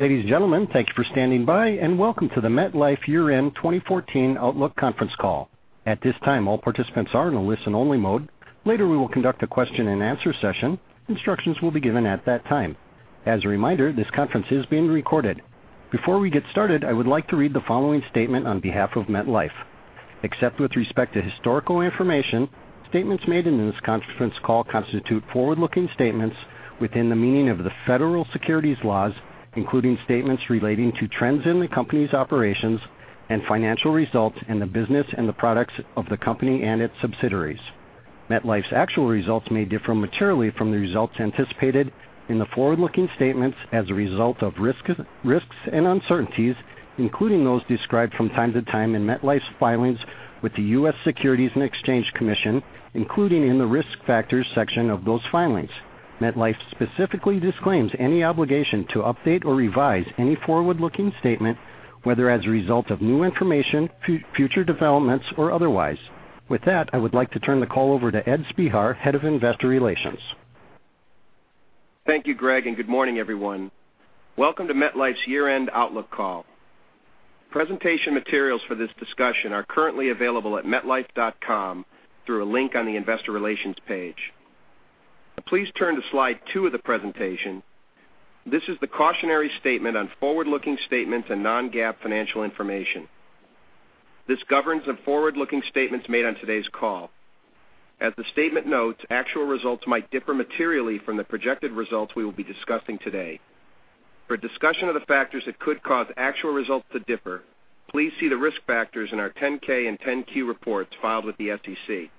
Ladies and gentlemen, thank you for standing by, and welcome to the MetLife Year-End 2014 Outlook Conference Call. At this time, all participants are in a listen-only mode. Later, we will conduct a question-and-answer session. Instructions will be given at that time. As a reminder, this conference is being recorded. Before we get started, I would like to read the following statement on behalf of MetLife. Except with respect to historical information, statements made in this conference call constitute forward-looking statements within the meaning of the federal securities laws, including statements relating to trends in the company's operations and financial results in the business and the products of the company and its subsidiaries. MetLife's actual results may differ materially from the results anticipated in the forward-looking statements as a result of risks and uncertainties, including those described from time to time in MetLife's filings with the U.S. Securities and Exchange Commission, including in the Risk Factors section of those filings. MetLife specifically disclaims any obligation to update or revise any forward-looking statement, whether as a result of new information, future developments, or otherwise. With that, I would like to turn the call over to Ed Spehar, Head of Investor Relations. Thank you, Greg, and good morning, everyone. Welcome to MetLife's year-end outlook call. Presentation materials for this discussion are currently available at metlife.com through a link on the investor relations page. Please turn to slide two of the presentation. This is the cautionary statement on forward-looking statements and non-GAAP financial information. This governs the forward-looking statements made on today's call. As the statement notes, actual results might differ materially from the projected results we will be discussing today. For a discussion of the factors that could cause actual results to differ, please see the risk factors in our 10-K and 10-Q reports filed with the SEC.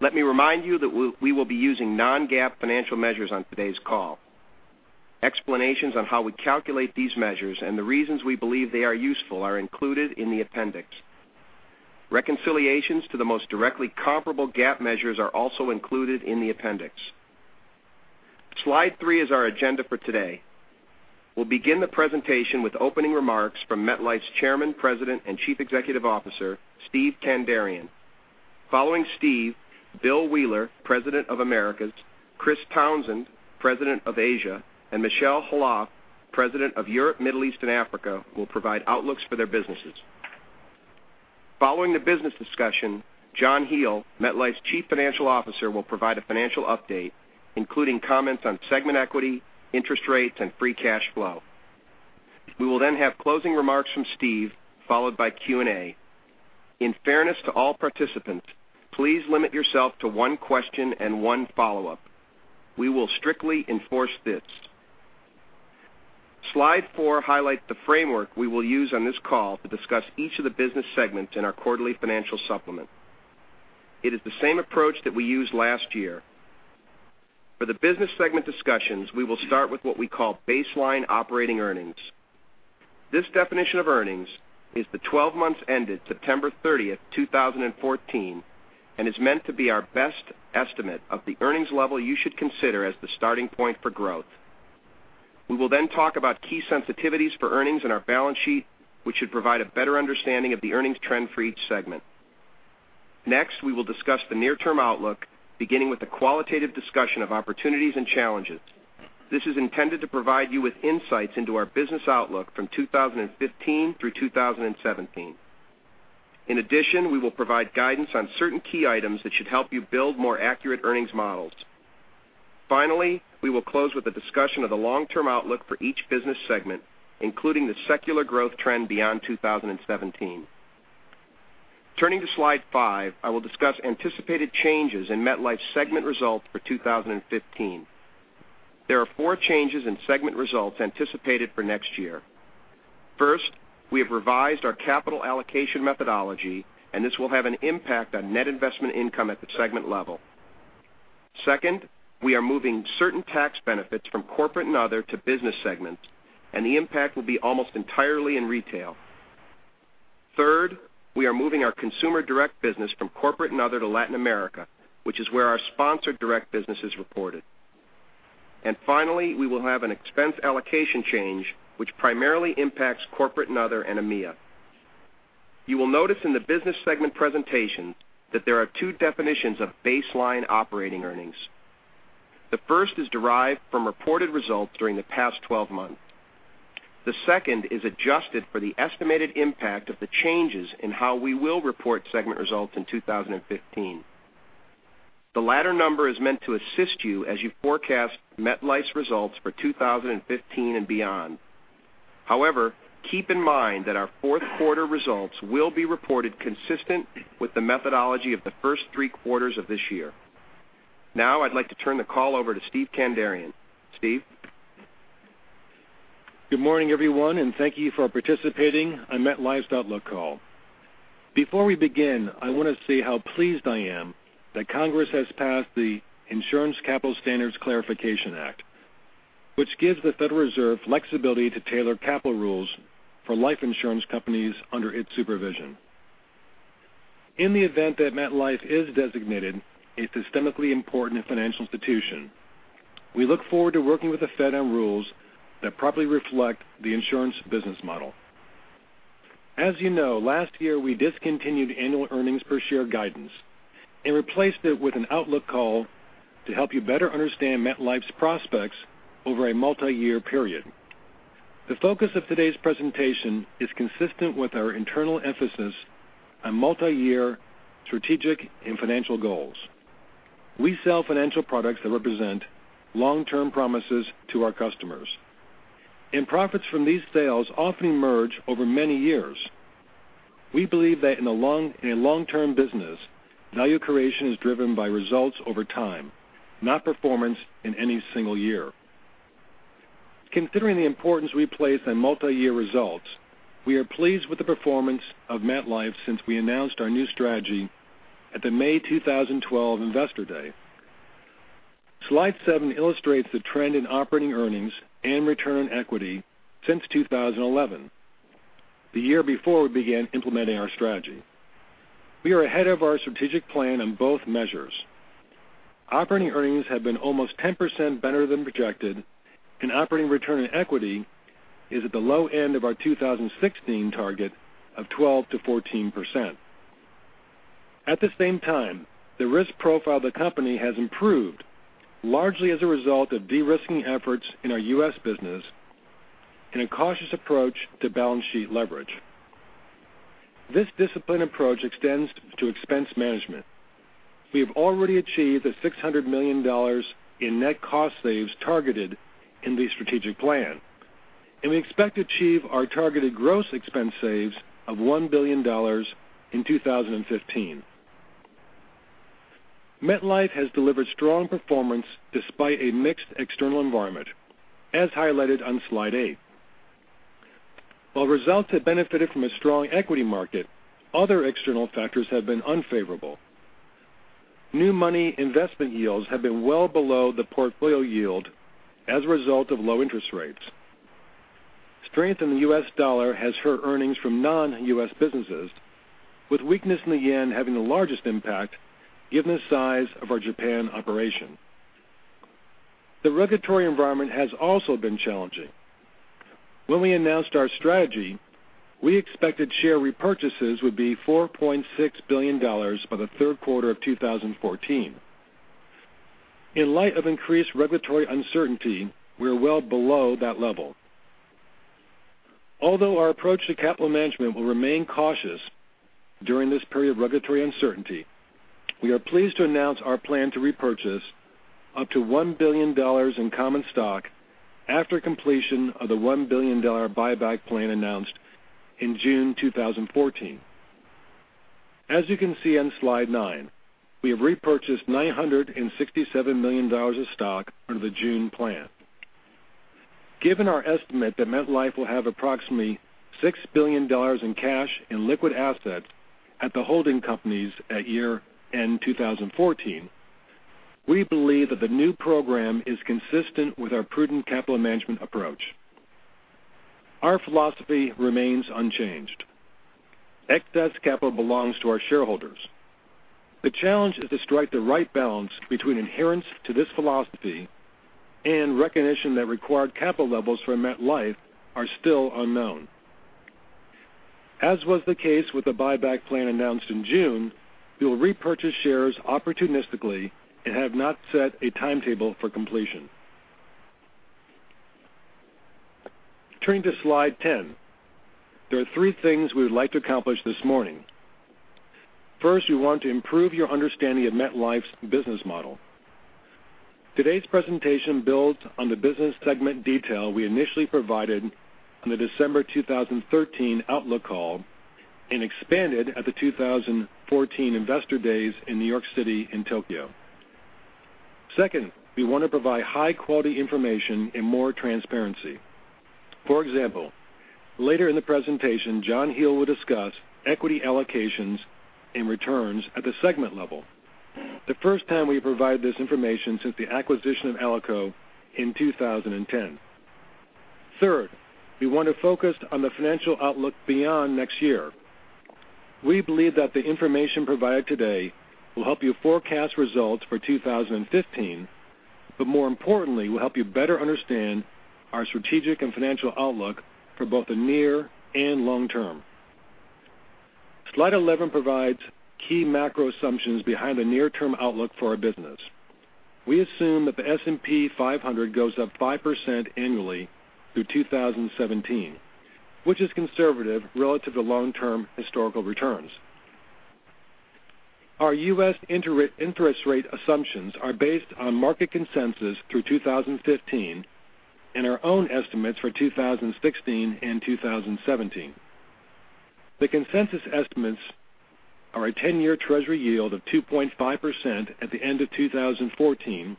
Let me remind you that we will be using non-GAAP financial measures on today's call. Explanations on how we calculate these measures and the reasons we believe they are useful are included in the appendix. Reconciliations to the most directly comparable GAAP measures are also included in the appendix. Slide three is our agenda for today. We will begin the presentation with opening remarks from MetLife's Chairman, President, and Chief Executive Officer, Steve Kandarian. Following Steve, Bill Wheeler, President of Americas, Chris Townsend, President of Asia, and Michel Khalaf, President of Europe, Middle East, and Africa, will provide outlooks for their businesses. Following the business discussion, John Hall, MetLife's Chief Financial Officer, will provide a financial update, including comments on segment equity, interest rates, and free cash flow. We will then have closing remarks from Steve, followed by Q&A. In fairness to all participants, please limit yourself to one question and one follow-up. We will strictly enforce this. Slide four highlights the framework we will use on this call to discuss each of the business segments in our quarterly financial supplement. It is the same approach that we used last year. For the business segment discussions, we will start with what we call baseline operating earnings. This definition of earnings is the 12 months ended September 30, 2014, and is meant to be our best estimate of the earnings level you should consider as the starting point for growth. We will then talk about key sensitivities for earnings in our balance sheet, which should provide a better understanding of the earnings trend for each segment. Next, we will discuss the near-term outlook, beginning with the qualitative discussion of opportunities and challenges. This is intended to provide you with insights into our business outlook from 2015 through 2017. In addition, we will provide guidance on certain key items that should help you build more accurate earnings models. Finally, we will close with a discussion of the long-term outlook for each business segment, including the secular growth trend beyond 2017. Turning to slide five, I will discuss anticipated changes in MetLife's segment results for 2015. There are four changes in segment results anticipated for next year. First, we have revised our capital allocation methodology, and this will have an impact on net investment income at the segment level. Second, we are moving certain tax benefits from corporate and other to business segments, and the impact will be almost entirely in retail. Third, we are moving our consumer direct business from corporate and other to Latin America, which is where our sponsored direct business is reported. Finally, we will have an expense allocation change, which primarily impacts corporate and other and EMEA. You will notice in the business segment presentation that there are two definitions of baseline operating earnings. The first is derived from reported results during the past 12 months. The second is adjusted for the estimated impact of the changes in how we will report segment results in 2015. The latter number is meant to assist you as you forecast MetLife's results for 2015 and beyond. However, keep in mind that our fourth quarter results will be reported consistent with the methodology of the first three quarters of this year. Now I'd like to turn the call over to Steve Kandarian. Steve? Good morning, everyone, and thank you for participating on MetLife's outlook call. Before we begin, I want to say how pleased I am that Congress has passed the Insurance Capital Standards Clarification Act, which gives the Federal Reserve flexibility to tailor capital rules for life insurance companies under its supervision. In the event that MetLife is designated a systemically important financial institution, we look forward to working with the Fed on rules that properly reflect the insurance business model. As you know, last year we discontinued annual earnings per share guidance and replaced it with an outlook call to help you better understand MetLife's prospects over a multi-year period. The focus of today's presentation is consistent with our internal emphasis on multi-year strategic and financial goals. We sell financial products that represent long-term promises to our customers, and profits from these sales often emerge over many years. We believe that in a long-term business, value creation is driven by results over time, not performance in any single year. Considering the importance we place on multi-year results, we are pleased with the performance of MetLife since we announced our new strategy at the May 2012 Investor Day. Slide seven illustrates the trend in operating earnings and return on equity since 2011, the year before we began implementing our strategy. We are ahead of our strategic plan on both measures. Operating earnings have been almost 10% better than projected, and operating return on equity is at the low end of our 2016 target of 12%-14%. At the same time, the risk profile of the company has improved largely as a result of de-risking efforts in our U.S. business and a cautious approach to balance sheet leverage. This disciplined approach extends to expense management. We have already achieved the $600 million in net cost saves targeted in the strategic plan, and we expect to achieve our targeted gross expense saves of $1 billion in 2015. MetLife has delivered strong performance despite a mixed external environment, as highlighted on slide eight. While results have benefited from a strong equity market, other external factors have been unfavorable. New money investment yields have been well below the portfolio yield as a result of low interest rates. Strength in the U.S. dollar has hurt earnings from non-U.S. businesses, with weakness in the yen having the largest impact given the size of our Japan operation. The regulatory environment has also been challenging. When we announced our strategy, we expected share repurchases would be $4.6 billion by the third quarter of 2014. In light of increased regulatory uncertainty, we are well below that level. Although our approach to capital management will remain cautious during this period of regulatory uncertainty, we are pleased to announce our plan to repurchase up to $1 billion in common stock after completion of the $1 billion buyback plan announced in June 2014. As you can see on slide nine, we have repurchased $967 million of stock under the June plan. Given our estimate that MetLife will have approximately $6 billion in cash and liquid assets at the holding companies at year-end 2014, we believe that the new program is consistent with our prudent capital management approach. Our philosophy remains unchanged. Excess capital belongs to our shareholders. The challenge is to strike the right balance between adherence to this philosophy and recognition that required capital levels for MetLife are still unknown. As was the case with the buyback plan announced in June, we will repurchase shares opportunistically and have not set a timetable for completion. Turning to slide 10, there are three things we would like to accomplish this morning. First, we want to improve your understanding of MetLife's business model. Today's presentation builds on the business segment detail we initially provided on the December 2013 outlook call and expanded at the 2014 Investor Days in New York City and Tokyo. Second, we want to provide high-quality information and more transparency. For example, later in the presentation, John Hall will discuss equity allocations and returns at the segment level, the first time we have provided this information since the acquisition of Alico in 2010. Third, we want to focus on the financial outlook beyond next year. We believe that the information provided today will help you forecast results for 2015, but more importantly, will help you better understand our strategic and financial outlook for both the near and long term. Slide 11 provides key macro assumptions behind the near-term outlook for our business. We assume that the S&P 500 goes up 5% annually through 2017, which is conservative relative to long-term historical returns. Our U.S. interest rate assumptions are based on market consensus through 2015 and our own estimates for 2016 and 2017. The consensus estimates are a 10-year Treasury yield of 2.5% at the end of 2014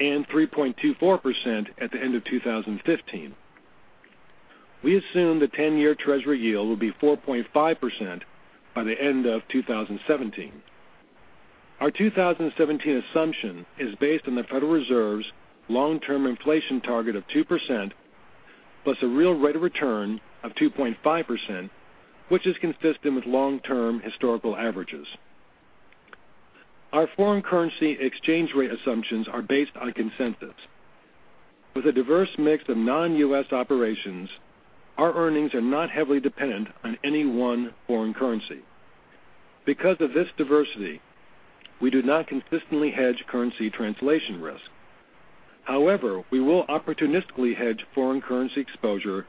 and 3.24% at the end of 2015. We assume the 10-year Treasury yield will be 4.5% by the end of 2017. Our 2017 assumption is based on the Federal Reserve's long-term inflation target of 2%, plus a real rate of return of 2.5%, which is consistent with long-term historical averages. Our foreign currency exchange rate assumptions are based on consensus. With a diverse mix of non-U.S. operations, our earnings are not heavily dependent on any one foreign currency. Because of this diversity, we do not consistently hedge currency translation risk. However, we will opportunistically hedge foreign currency exposure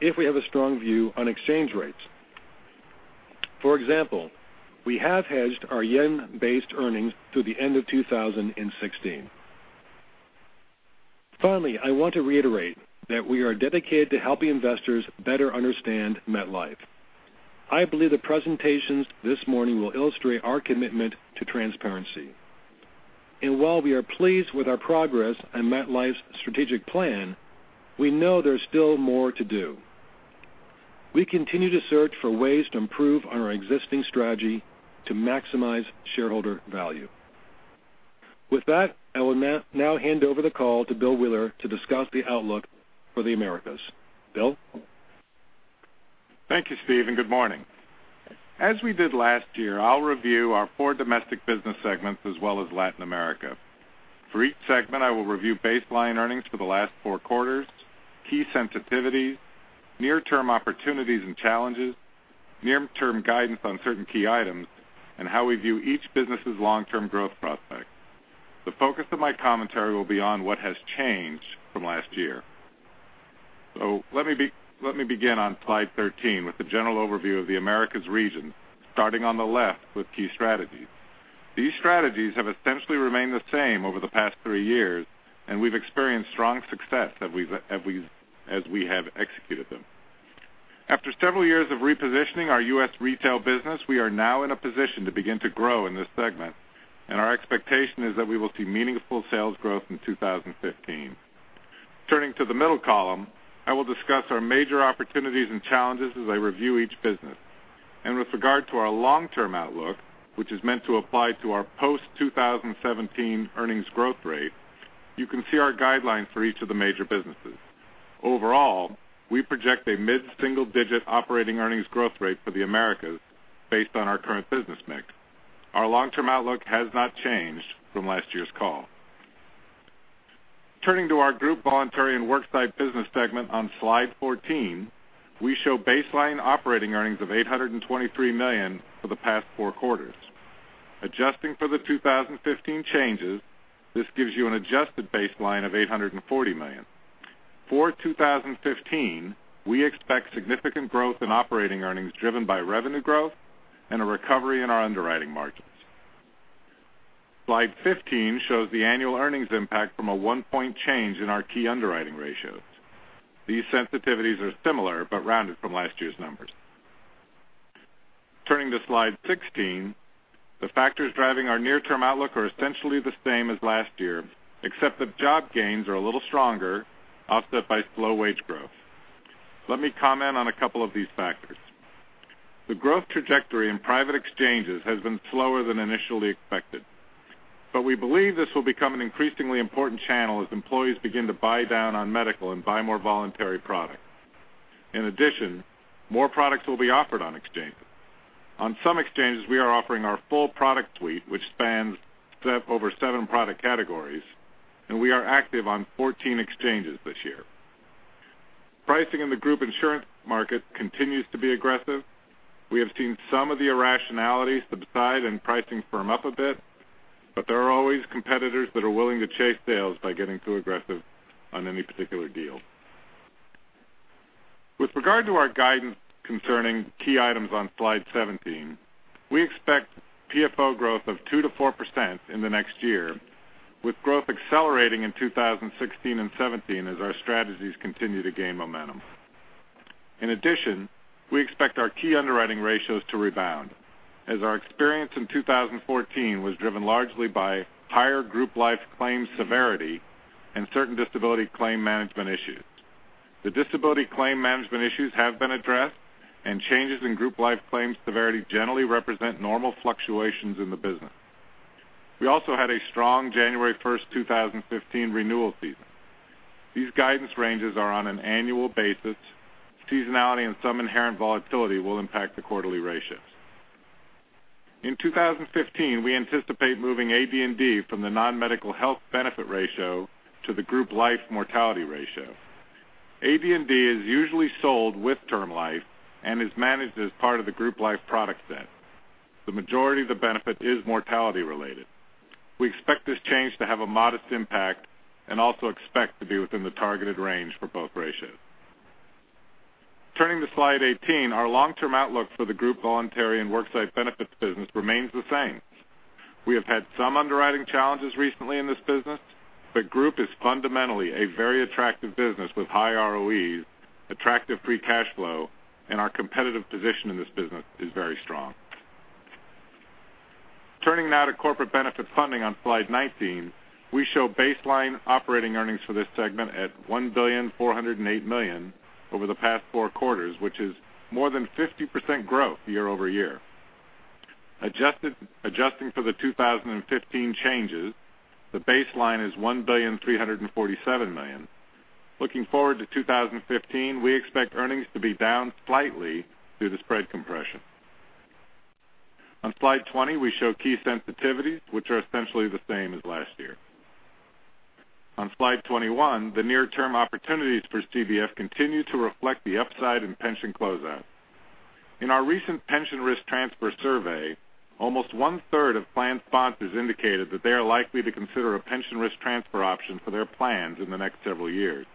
if we have a strong view on exchange rates. For example, we have hedged our yen-based earnings through the end of 2016. Finally, I want to reiterate that we are dedicated to helping investors better understand MetLife. I believe the presentations this morning will illustrate our commitment to transparency. While we are pleased with our progress on MetLife's strategic plan, we know there's still more to do. We continue to search for ways to improve our existing strategy to maximize shareholder value. With that, I will now hand over the call to Bill Wheeler to discuss the outlook for the Americas. Bill? Thank you, Steve, and good morning. As we did last year, I'll review our four domestic business segments as well as Latin America. For each segment, I will review baseline earnings for the last four quarters, key sensitivities, near-term opportunities and challenges, near-term guidance on certain key items, and how we view each business's long-term growth prospects. The focus of my commentary will be on what has changed from last year. Let me begin on slide 13 with a general overview of the Americas region, starting on the left with key strategies. These strategies have essentially remained the same over the past three years, and we've experienced strong success as we have executed them. After several years of repositioning our U.S. retail business, we are now in a position to begin to grow in this segment, and our expectation is that we will see meaningful sales growth in 2015. Turning to the middle column, I will discuss our major opportunities and challenges as I review each business. With regard to our long-term outlook, which is meant to apply to our post-2017 earnings growth rate, you can see our guidelines for each of the major businesses. Overall, we project a mid-single-digit operating earnings growth rate for the Americas based on our current business mix. Our long-term outlook has not changed from last year's call. Turning to our Group Voluntary and Worksite business segment on slide 14, we show baseline operating earnings of $823 million for the past four quarters. Adjusting for the 2015 changes, this gives you an adjusted baseline of $840 million. For 2015, we expect significant growth in operating earnings driven by revenue growth and a recovery in our underwriting margins. Slide 15 shows the annual earnings impact from a one-point change in our key underwriting ratios. These sensitivities are similar but rounded from last year's numbers. Turning to slide 16, the factors driving our near-term outlook are essentially the same as last year, except that job gains are a little stronger, offset by slow wage growth. Let me comment on a couple of these factors. The growth trajectory in private exchanges has been slower than initially expected. We believe this will become an increasingly important channel as employees begin to buy down on medical and buy more voluntary product. In addition, more products will be offered on exchanges. On some exchanges, we are offering our full product suite, which spans over 7 product categories, and we are active on 14 exchanges this year. Pricing in the group insurance market continues to be aggressive. We have seen some of the irrationalities subside and pricing firm up a bit, but there are always competitors that are willing to chase sales by getting too aggressive on any particular deal. With regard to our guidance concerning key items on slide 17, we expect PFO growth of 2%-4% in the next year, with growth accelerating in 2016 and 2017 as our strategies continue to gain momentum. In addition, we expect our key underwriting ratios to rebound, as our experience in 2014 was driven largely by higher group life claims severity and certain disability claim management issues. The disability claim management issues have been addressed, and changes in group life claims severity generally represent normal fluctuations in the business. We also had a strong January 1st, 2015 renewal season. These guidance ranges are on an annual basis. Seasonality and some inherent volatility will impact the quarterly ratios. In 2015, we anticipate moving AD&D from the non-medical health benefit ratio to the group life mortality ratio. AD&D is usually sold with term life and is managed as part of the group life product set. The majority of the benefit is mortality related. We expect this change to have a modest impact and also expect to be within the targeted range for both ratios. Turning to slide 18, our long-term outlook for the Group Voluntary and Worksite Benefits business remains the same. We have had some underwriting challenges recently in this business, but Group is fundamentally a very attractive business with high ROEs, attractive free cash flow, and our competitive position in this business is very strong. Turning now to Corporate Benefit Funding on slide 19, we show baseline operating earnings for this segment at $1.408 billion over the past four quarters, which is more than 50% growth year-over-year. Adjusting for the 2015 changes, the baseline is $1.347 billion. Looking forward to 2015, we expect earnings to be down slightly due to spread compression. On slide 20, we show key sensitivities, which are essentially the same as last year. On slide 21, the near-term opportunities for CBF continue to reflect the upside in pension closeout. In our recent pension risk transfer survey, almost one-third of plan sponsors indicated that they are likely to consider a pension risk transfer option for their plans in the next several years.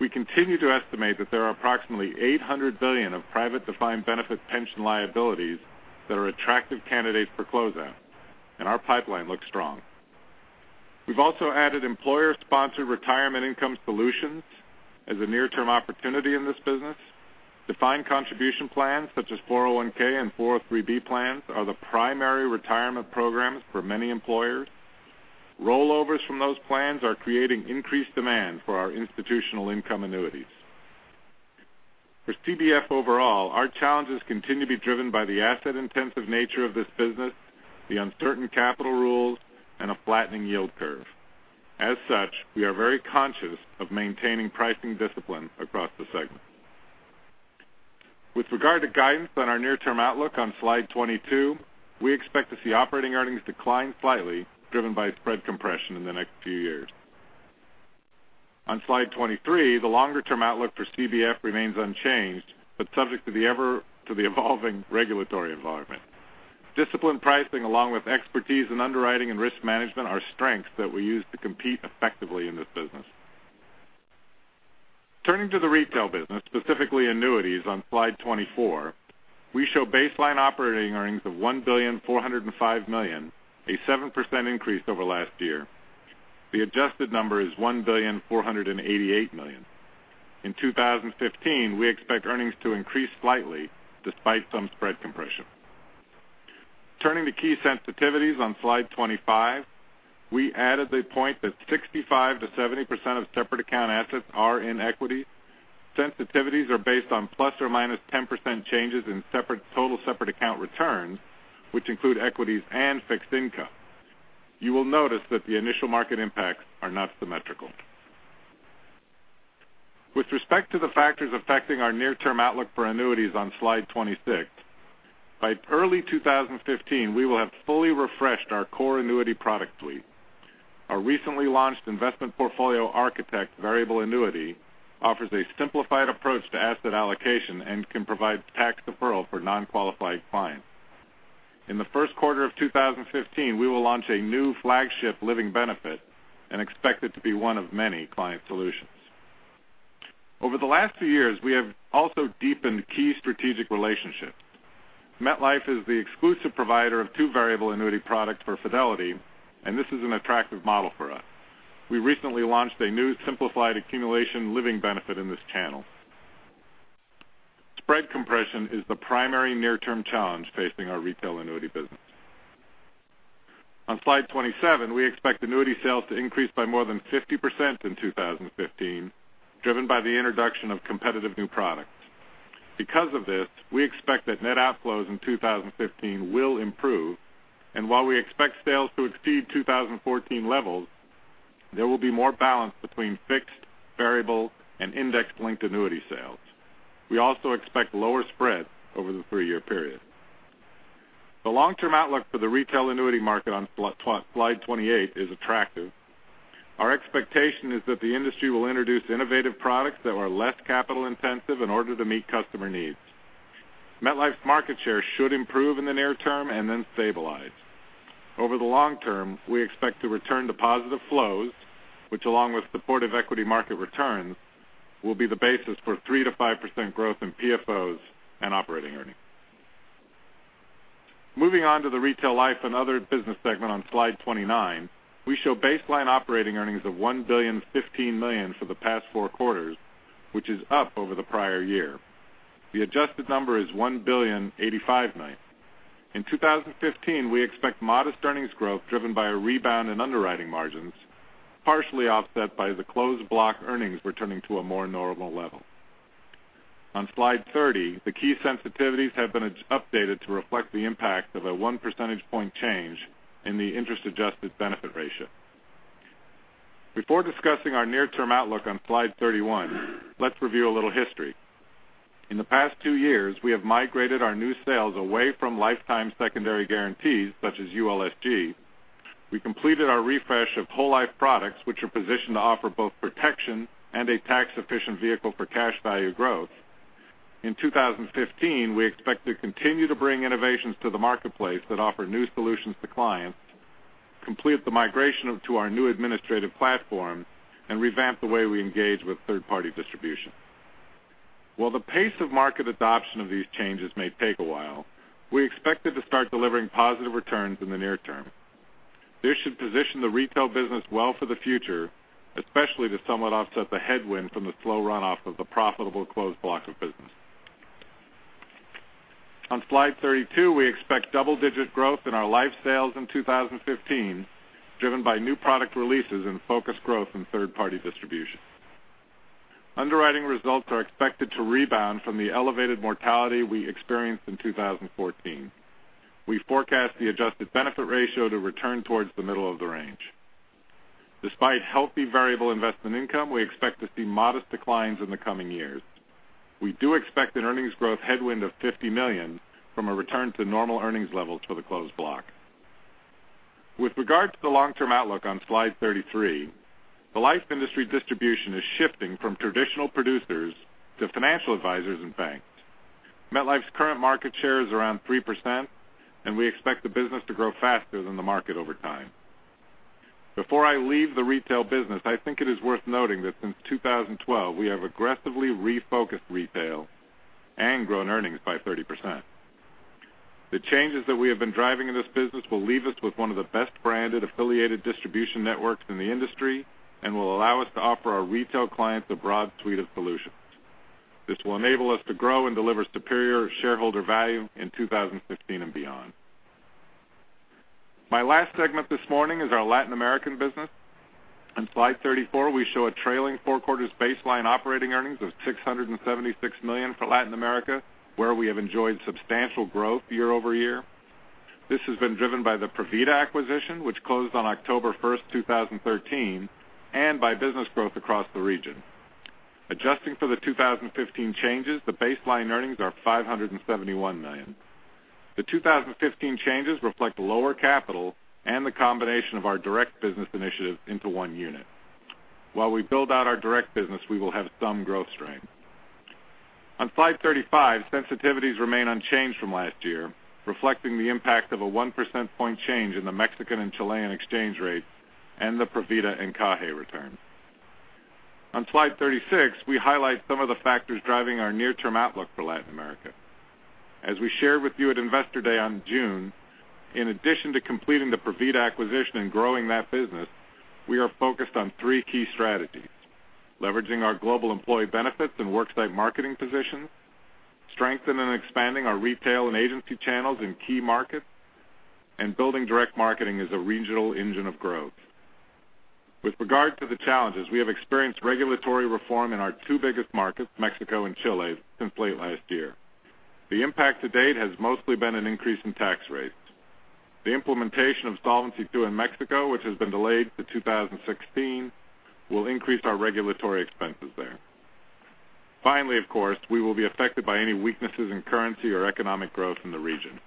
We continue to estimate that there are approximately $800 billion of private defined benefit pension liabilities that are attractive candidates for closeout, and our pipeline looks strong. We've also added employer-sponsored retirement income solutions as a near-term opportunity in this business. Defined contribution plans such as 401 and 403 plans are the primary retirement programs for many employers. Rollovers from those plans are creating increased demand for our institutional income annuities. For CBF overall, our challenges continue to be driven by the asset-intensive nature of this business, the uncertain capital rules, and a flattening yield curve. We are very conscious of maintaining pricing discipline across the segment. With regard to guidance on our near-term outlook on slide 22, we expect to see operating earnings decline slightly, driven by spread compression in the next few years. On slide 23, the longer-term outlook for CBF remains unchanged, but subject to the evolving regulatory environment. Disciplined pricing, along with expertise in underwriting and risk management are strengths that we use to compete effectively in this business. Turning to the retail business, specifically annuities on slide 24, we show baseline operating earnings of $1.405 billion, a 7% increase over last year. The adjusted number is $1.488 billion. In 2015, we expect earnings to increase slightly despite some spread compression. Turning to key sensitivities on slide 25, we added the point that 65%-70% of separate account assets are in equity. Sensitivities are based on ±10% changes in total separate account returns, which include equities and fixed income. You will notice that the initial market impacts are not symmetrical. With respect to the factors affecting our near-term outlook for annuities on slide 26, by early 2015, we will have fully refreshed our core annuity product suite. Our recently launched Investment Portfolio Architect variable annuity offers a simplified approach to asset allocation and can provide tax deferral for non-qualified clients. In the first quarter of 2015, we will launch a new flagship living benefit and expect it to be one of many client solutions. Over the last few years, we have also deepened key strategic relationships. MetLife is the exclusive provider of two variable annuity products for Fidelity, and this is an attractive model for us. We recently launched a new simplified accumulation living benefit in this channel. Spread compression is the primary near-term challenge facing our retail annuity business. On slide 27, we expect annuity sales to increase by more than 50% in 2015, driven by the introduction of competitive new products. Because of this, we expect that net outflows in 2015 will improve, and while we expect sales to exceed 2014 levels, there will be more balance between fixed, variable, and index-linked annuity sales. We also expect lower spreads over the three-year period. The long-term outlook for the retail annuity market on slide 28 is attractive. Our expectation is that the industry will introduce innovative products that are less capital-intensive in order to meet customer needs. MetLife's market share should improve in the near term and then stabilize. Over the long term, we expect to return to positive flows, which, along with supportive equity market returns, will be the basis for 3%-5% growth in PFOs and operating earnings. Moving on to the Retail Life and Other Business segment on slide 29, we show baseline operating earnings of $1.015 billion for the past four quarters, which is up over the prior year. The adjusted number is $1.085 billion. In 2015, we expect modest earnings growth driven by a rebound in underwriting margins, partially offset by the closed block earnings returning to a more normal level. On slide 30, the key sensitivities have been updated to reflect the impact of a one percentage point change in the interest-adjusted benefit ratio. Before discussing our near-term outlook on slide 31, let's review a little history. In the past two years, we have migrated our new sales away from lifetime secondary guarantees, such as ULSG. We completed our refresh of whole life products, which are positioned to offer both protection and a tax-efficient vehicle for cash value growth. In 2015, we expect to continue to bring innovations to the marketplace that offer new solutions to clients, complete the migration to our new administrative platform, and revamp the way we engage with third-party distribution. While the pace of market adoption of these changes may take a while, we expect it to start delivering positive returns in the near term. This should position the retail business well for the future, especially to somewhat offset the headwind from the slow runoff of the profitable closed blocks of business. On slide 32, we expect double-digit growth in our life sales in 2015, driven by new product releases and focused growth in third-party distribution. Underwriting results are expected to rebound from the elevated mortality we experienced in 2014. We forecast the adjusted benefit ratio to return towards the middle of the range. Despite healthy variable investment income, we expect to see modest declines in the coming years. We do expect an earnings growth headwind of $150 million from a return to normal earnings levels for the closed block. With regard to the long-term outlook on Slide 33, the life industry distribution is shifting from traditional producers to financial advisors and banks. MetLife's current market share is around 3%, and we expect the business to grow faster than the market over time. Before I leave the retail business, I think it is worth noting that since 2012, we have aggressively refocused retail and grown earnings by 30%. The changes that we have been driving in this business will leave us with one of the best branded affiliated distribution networks in the industry and will allow us to offer our retail clients a broad suite of solutions. This will enable us to grow and deliver superior shareholder value in 2015 and beyond. My last segment this morning is our Latin American business. On Slide 34, we show a trailing four quarters baseline operating earnings of $676 million for Latin America, where we have enjoyed substantial growth year-over-year. This has been driven by the Provida acquisition, which closed on October 1st, 2013, and by business growth across the region. Adjusting for the 2015 changes, the baseline earnings are $571 million. The 2015 changes reflect lower capital and the combination of our direct business initiatives into one unit. While we build out our direct business, we will have some growth strength. On Slide 35, sensitivities remain unchanged from last year, reflecting the impact of a 1 percentage point change in the Mexican and Chilean exchange rate and the Provida and Encaje return. On Slide 36, we highlight some of the factors driving our near-term outlook for Latin America. As we shared with you at Investor Day in June, in addition to completing the Provida acquisition and growing that business, we are focused on three key strategies. Leveraging our global employee benefits and worksite marketing position, strengthening and expanding our retail and agency channels in key markets, and building direct marketing as a regional engine of growth. With regard to the challenges, we have experienced regulatory reform in our two biggest markets, Mexico and Chile, since late last year. The impact to date has mostly been an increase in tax rates. The implementation of Solvency II in Mexico, which has been delayed to 2016, will increase our regulatory expenses there. Finally, of course, we will be affected by any weaknesses in currency or economic growth in the region.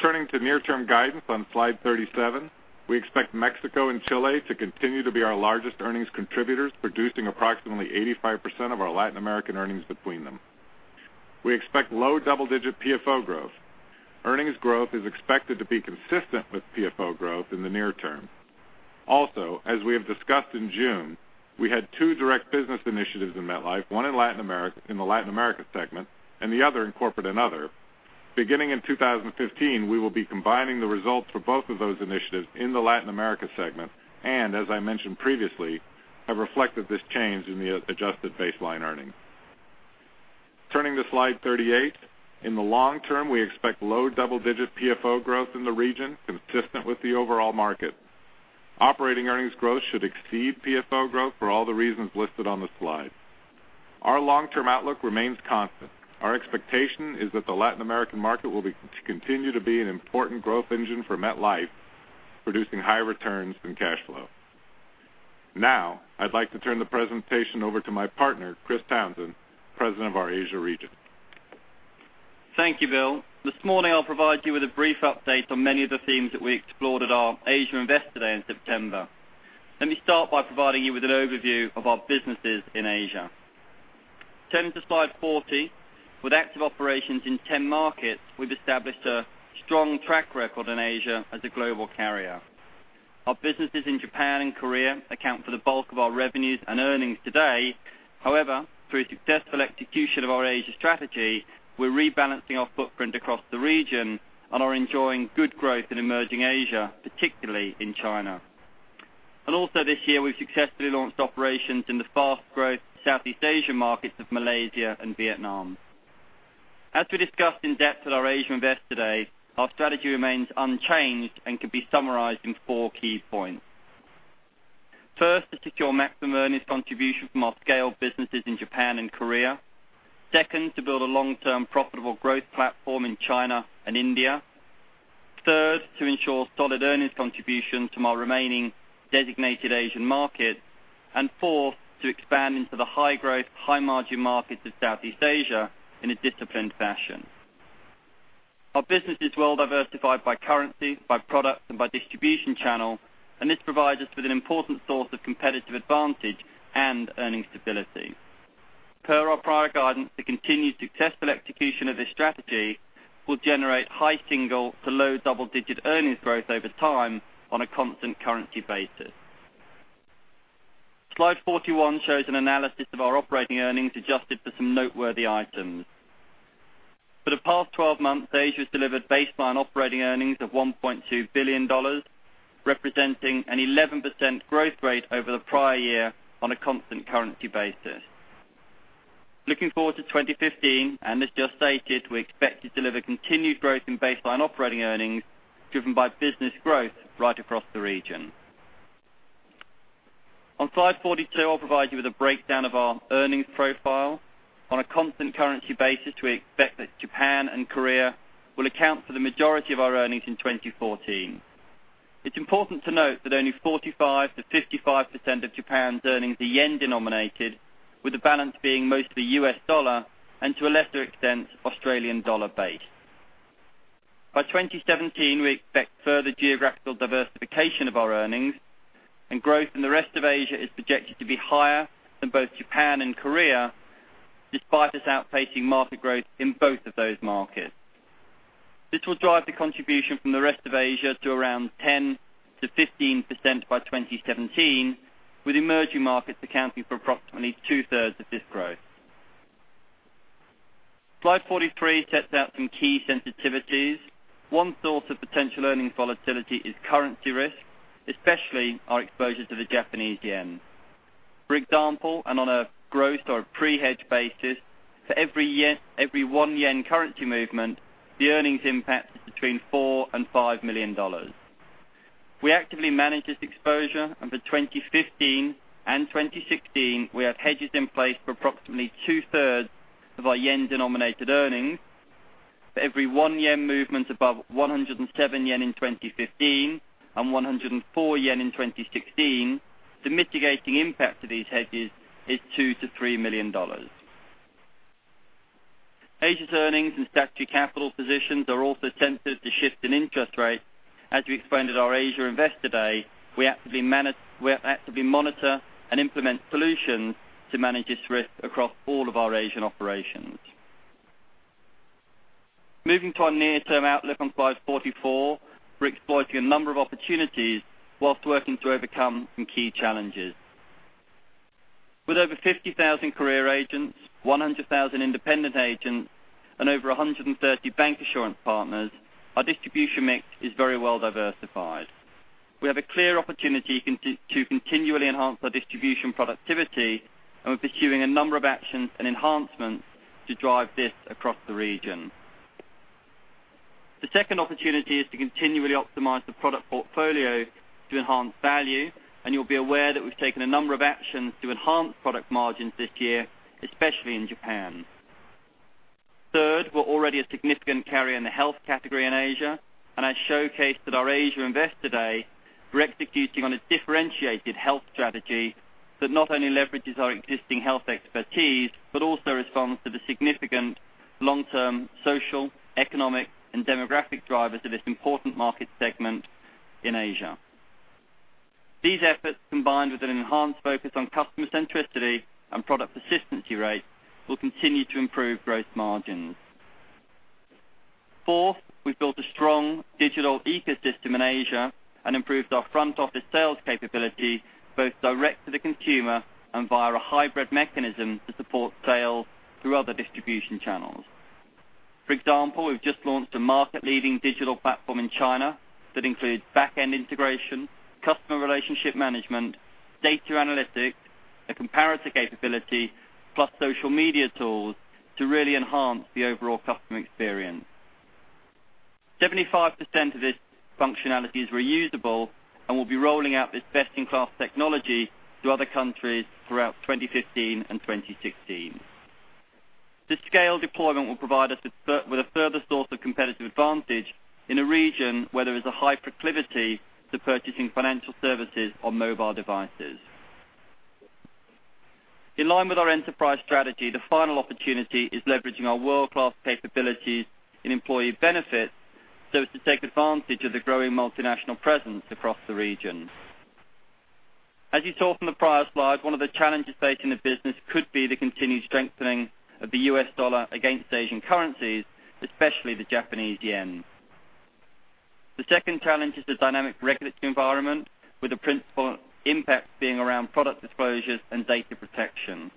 Turning to near-term guidance on Slide 37, we expect Mexico and Chile to continue to be our largest earnings contributors, producing approximately 85% of our Latin American earnings between them. We expect low double-digit PFO growth. Earnings growth is expected to be consistent with PFO growth in the near term. As we have discussed in June, we had two direct business initiatives in MetLife, one in the Latin America segment and the other in Corporate and Other. Beginning in 2015, we will be combining the results for both of those initiatives in the Latin America segment and, as I mentioned previously, have reflected this change in the adjusted baseline earnings. Turning to Slide 38, in the long term, we expect low double-digit PFO growth in the region consistent with the overall market. Operating earnings growth should exceed PFO growth for all the reasons listed on the slide. Our long-term outlook remains constant. Our expectation is that the Latin American market will continue to be an important growth engine for MetLife, producing high returns and cash flow. I'd like to turn the presentation over to my partner, Chris Townsend, President of our Asia region. Thank you, Bill. This morning, I'll provide you with a brief update on many of the themes that we explored at our Asia Investor Day in September. Let me start by providing you with an overview of our businesses in Asia. Turning to Slide 40, with active operations in 10 markets, we've established a strong track record in Asia as a global carrier. Our businesses in Japan and Korea account for the bulk of our revenues and earnings today. However, through successful execution of our Asia strategy, we're rebalancing our footprint across the region and are enjoying good growth in emerging Asia, particularly in China. This year, we've successfully launched operations in the fast growth Southeast Asian markets of Malaysia and Vietnam. As we discussed in depth at our Asia Investor Day, our strategy remains unchanged and can be summarized in four key points. First, to secure maximum earnings contribution from our scale businesses in Japan and Korea. Second, to build a long-term profitable growth platform in China and India. Third, to ensure solid earnings contribution to our remaining designated Asian markets. Fourth, to expand into the high growth, high margin markets of Southeast Asia in a disciplined fashion. Our business is well diversified by currency, by product, and by distribution channel. This provides us with an important source of competitive advantage and earning stability. Per our prior guidance, the continued successful execution of this strategy will generate high single to low double-digit earnings growth over time on a constant currency basis. Slide 41 shows an analysis of our operating earnings adjusted for some noteworthy items. For the past 12 months, Asia has delivered baseline operating earnings of $1.2 billion, representing an 11% growth rate over the prior year on a constant currency basis. Looking forward to 2015, as just stated, we expect to deliver continued growth in baseline operating earnings driven by business growth right across the region. On Slide 42, I'll provide you with a breakdown of our earnings profile. On a constant currency basis, we expect that Japan and Korea will account for the majority of our earnings in 2014. It's important to note that only 45%-55% of Japan's earnings are yen denominated, with the balance being mostly US dollar and, to a lesser extent, Australian dollar based. By 2017, we expect further geographical diversification of our earnings. Growth in the rest of Asia is projected to be higher than both Japan and Korea, despite us outpacing market growth in both of those markets. This will drive the contribution from the rest of Asia to around 10%-15% by 2017, with emerging markets accounting for approximately two-thirds of this growth. Slide 43 sets out some key sensitivities. One source of potential earnings volatility is currency risk, especially our exposure to the Japanese yen. For example, on a gross or a pre-hedge basis, for every one yen currency movement, the earnings impact is between $4 million and $5 million. We actively manage this exposure, for 2015 and 2016, we have hedges in place for approximately two-thirds of our yen-denominated earnings. For every one yen movement above 107 yen in 2015 and 104 yen in 2016, the mitigating impact of these hedges is $2 million-$3 million. Asia's earnings and statutory capital positions are also sensitive to shifts in interest rates. As we explained at our Asia Investor Day, we actively monitor and implement solutions to manage this risk across all of our Asian operations. Moving to our near term outlook on slide 44, we're exploiting a number of opportunities whilst working to overcome some key challenges. With over 50,000 career agents, 100,000 independent agents, and over 130 bank assurance partners, our distribution mix is very well diversified. We have a clear opportunity to continually enhance our distribution productivity, we're pursuing a number of actions and enhancements to drive this across the region. The second opportunity is to continually optimize the product portfolio to enhance value, you'll be aware that we've taken a number of actions to enhance product margins this year, especially in Japan. Third, we're already a significant carrier in the health category in Asia, as showcased at the Asia Investor Day, we're executing on a differentiated health strategy that not only leverages our existing health expertise, but also responds to the significant long-term social, economic, and demographic drivers of this important market segment in Asia. These efforts, combined with an enhanced focus on customer centricity and product persistency rates, will continue to improve growth margins. Fourth, we've built a strong digital ecosystem in Asia and improved our front office sales capability, both direct to the consumer and via a hybrid mechanism to support sales through other distribution channels. For example, we've just launched a market leading digital platform in China that includes back end integration, customer relationship management, data analytics, a comparator capability, plus social media tools to really enhance the overall customer experience. 75% of this functionality is reusable, we'll be rolling out this best in class technology to other countries throughout 2015 and 2016. This scale deployment will provide us with a further source of competitive advantage in a region where there is a high proclivity to purchasing financial services on mobile devices. In line with our enterprise strategy, the final opportunity is leveraging our world-class capabilities in employee benefits so as to take advantage of the growing multinational presence across the region. As you saw from the prior slide, one of the challenges facing the business could be the continued strengthening of the U.S. dollar against Asian currencies, especially the Japanese yen. The second challenge is the dynamic regulatory environment, with the principal impact being around product disclosures and data protection.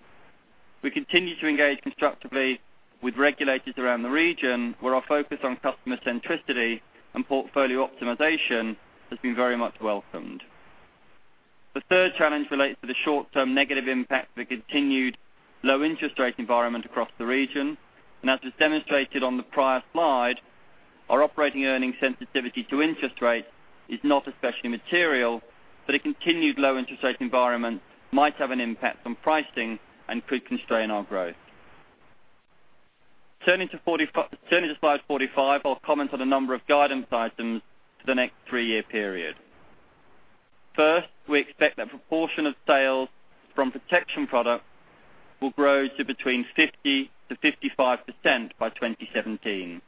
We continue to engage constructively with regulators around the region, where our focus on customer centricity and portfolio optimization has been very much welcomed. The third challenge relates to the short-term negative impact of the continued low interest rate environment across the region. As was demonstrated on the prior slide, our operating earnings sensitivity to interest rates is not especially material, but a continued low interest rate environment might have an impact on pricing and could constrain our growth. Turning to slide 45, I'll comment on a number of guidance items for the next three-year period. First, we expect that proportion of sales from protection products will grow to between 50%-55% by 2017.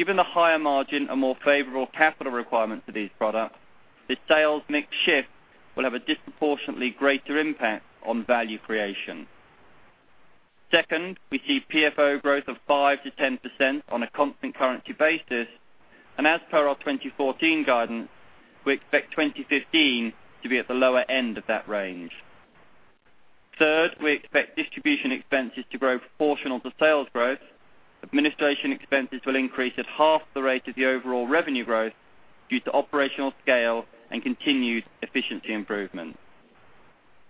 Given the higher margin and more favorable capital requirements for these products, the sales mix shift will have a disproportionately greater impact on value creation. Second, we see PFO growth of 5%-10% on a constant currency basis. As per our 2014 guidance, we expect 2015 to be at the lower end of that range. Third, we expect distribution expenses to grow proportional to sales growth. Administration expenses will increase at half the rate of the overall revenue growth due to operational scale and continued efficiency improvement.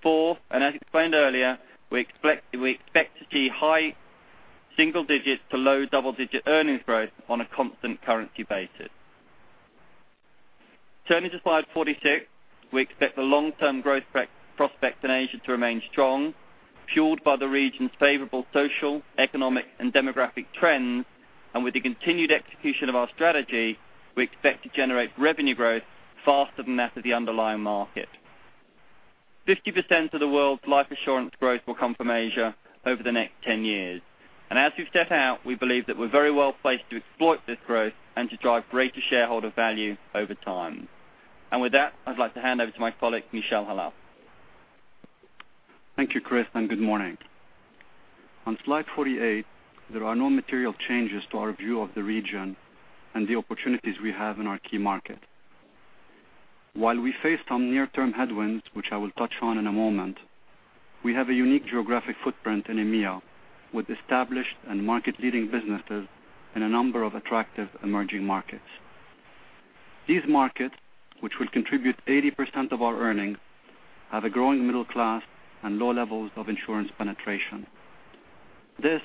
Four, as explained earlier, we expect to see high single-digits to low double-digit earnings growth on a constant currency basis. Turning to slide 46, we expect the long-term growth prospects in Asia to remain strong, fueled by the region's favorable social, economic, and demographic trends. With the continued execution of our strategy, we expect to generate revenue growth faster than that of the underlying market. 50% of the world's life insurance growth will come from Asia over the next 10 years. As we've set out, we believe that we're very well placed to exploit this growth and to drive greater shareholder value over time. With that, I'd like to hand over to my colleague, Michel Khalaf. Thank you, Chris, and good morning. On slide 48, there are no material changes to our view of the region and the opportunities we have in our key market. While we face some near-term headwinds, which I will touch on in a moment, we have a unique geographic footprint in EMEA with established and market-leading businesses in a number of attractive emerging markets. These markets, which will contribute 80% of our earnings, have a growing middle class and low levels of insurance penetration. This,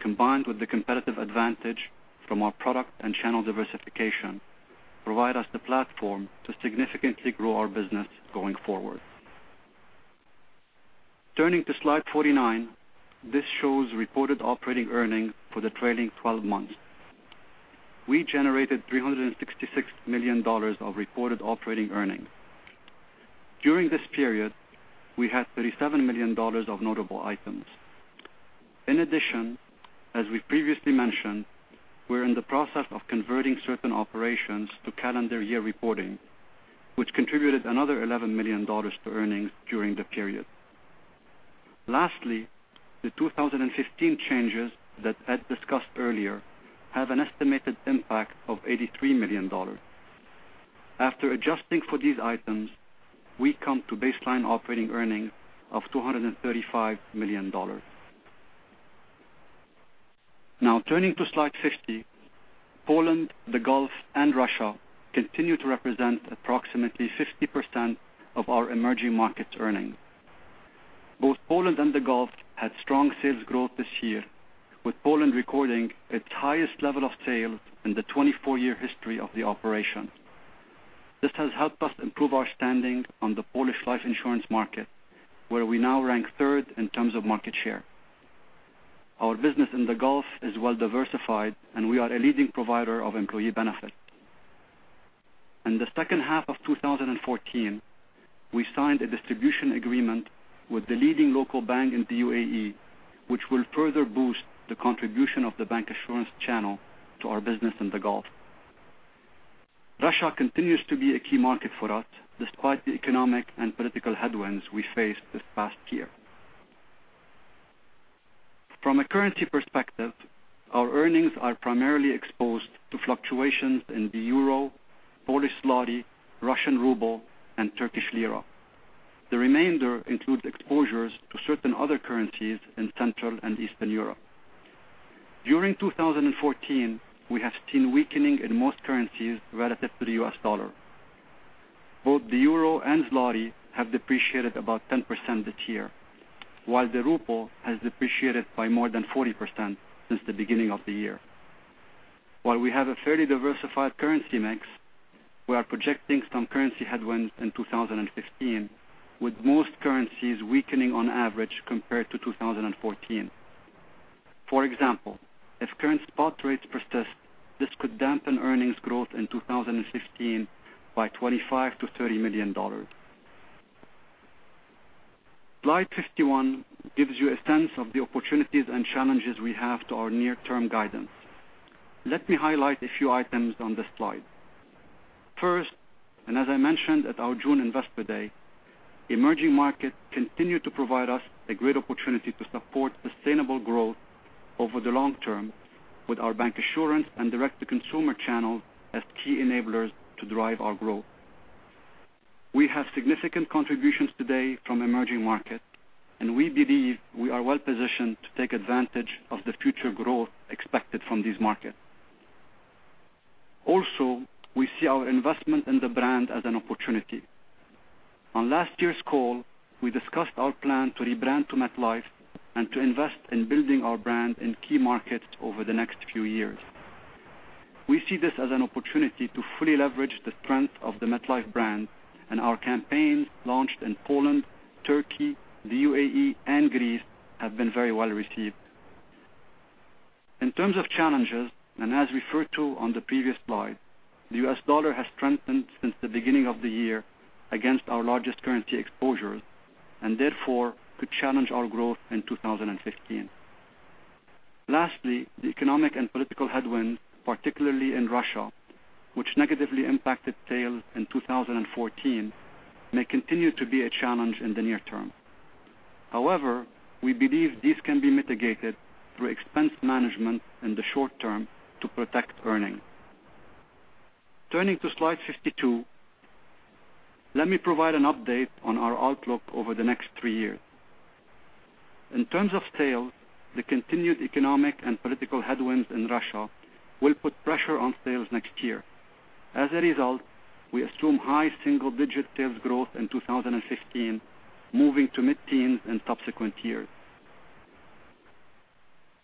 combined with the competitive advantage from our product and channel diversification, provide us the platform to significantly grow our business going forward. Turning to slide 49, this shows reported operating earnings for the trailing 12 months. We generated $366 million of reported operating earnings. During this period, we had $37 million of notable items. In addition, as we previously mentioned, we're in the process of converting certain operations to calendar year reporting, which contributed another $11 million to earnings during the period. Lastly, the 2015 changes that Ed discussed earlier have an estimated impact of $83 million. After adjusting for these items, we come to baseline operating earnings of $235 million. Turning to slide 50, Poland, the Gulf, and Russia continue to represent approximately 50% of our emerging markets earnings. Both Poland and the Gulf had strong sales growth this year, with Poland recording its highest level of sales in the 24-year history of the operation. This has helped us improve our standing on the Polish life insurance market, where we now rank third in terms of market share. Our business in the Gulf is well diversified, and we are a leading provider of employee benefits. In the second half of 2014, we signed a distribution agreement with the leading local bank in the UAE, which will further boost the contribution of the bank assurance channel to our business in the Gulf. Russia continues to be a key market for us, despite the economic and political headwinds we faced this past year. From a currency perspective, our earnings are primarily exposed to fluctuations in the EUR, PLN, RUB, and TRY. The remainder includes exposures to certain other currencies in Central and Eastern Europe. During 2014, we have seen weakening in most currencies relative to the US dollar. Both the EUR and PLN have depreciated about 10% this year, while the RUB has depreciated by more than 40% since the beginning of the year. While we have a fairly diversified currency mix, we are projecting some currency headwinds in 2015, with most currencies weakening on average compared to 2014. For example, if current spot rates persist, this could dampen earnings growth in 2015 by $25 million-$30 million. Slide 51 gives you a sense of the opportunities and challenges we have to our near-term guidance. Let me highlight a few items on this slide. First, as I mentioned at our June Investor Day, emerging markets continue to provide us a great opportunity to support sustainable growth over the long term with our bank assurance and direct-to-consumer channels as key enablers to drive our growth. We have significant contributions today from emerging markets, and we believe we are well positioned to take advantage of the future growth expected from these markets. Also, we see our investment in the brand as an opportunity. On last year's call, we discussed our plan to rebrand to MetLife and to invest in building our brand in key markets over the next few years. We see this as an opportunity to fully leverage the strength of the MetLife brand and our campaigns launched in Poland, Turkey, the UAE, and Greece have been very well received. In terms of challenges, as referred to on the previous slide, the US dollar has strengthened since the beginning of the year against our largest currency exposures, and therefore could challenge our growth in 2015. Lastly, the economic and political headwinds, particularly in Russia, which negatively impacted sales in 2014, may continue to be a challenge in the near term. However, we believe these can be mitigated through expense management in the short term to protect earnings. Turning to slide 52, let me provide an update on our outlook over the next three years. In terms of sales, the continued economic and political headwinds in Russia will put pressure on sales next year. As a result, we assume high single-digit sales growth in 2015, moving to mid-teens in subsequent years.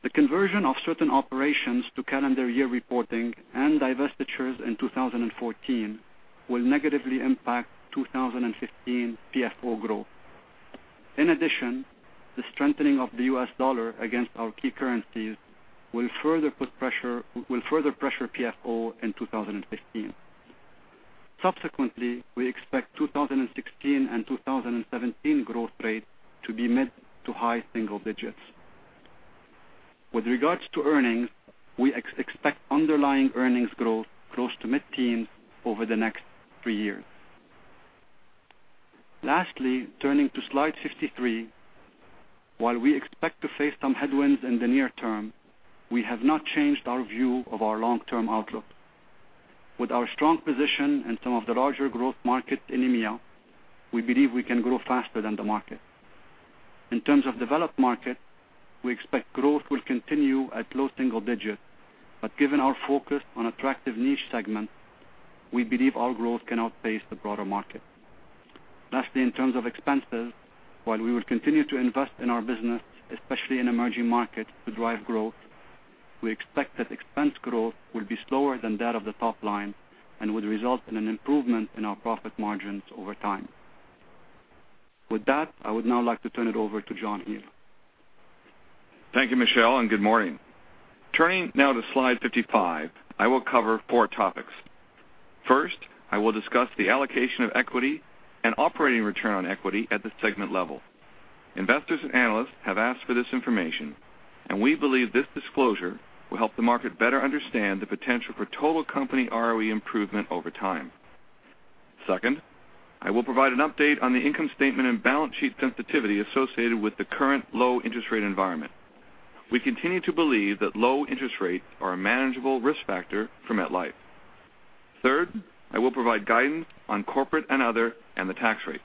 The conversion of certain operations to calendar year reporting and divestitures in 2014 will negatively impact 2015 PFO growth. In addition, the strengthening of the US dollar against our key currencies will further pressure PFO in 2015. Subsequently, we expect 2016 and 2017 growth rate to be mid to high single digits. With regards to earnings, we expect underlying earnings growth close to mid-teens over the next three years. Lastly, turning to slide 53. While we expect to face some headwinds in the near term, we have not changed our view of our long-term outlook. With our strong position in some of the larger growth markets in EMEA, we believe we can grow faster than the market. In terms of developed market, we expect growth will continue at low single digit, but given our focus on attractive niche segments, we believe our growth can outpace the broader market. Lastly, in terms of expenses, while we will continue to invest in our business, especially in emerging markets to drive growth, we expect that expense growth will be slower than that of the top line and would result in an improvement in our profit margins over time. With that, I would now like to turn it over to John Hall. Thank you, Michel, and good morning. Turning now to slide 55, I will cover four topics. First, I will discuss the allocation of equity and operating return on equity at the segment level. Investors and analysts have asked for this information, and we believe this disclosure will help the market better understand the potential for total company ROE improvement over time. Second, I will provide an update on the income statement and balance sheet sensitivity associated with the current low interest rate environment. We continue to believe that low interest rates are a manageable risk factor for MetLife. Third, I will provide guidance on corporate and other, and the tax rate.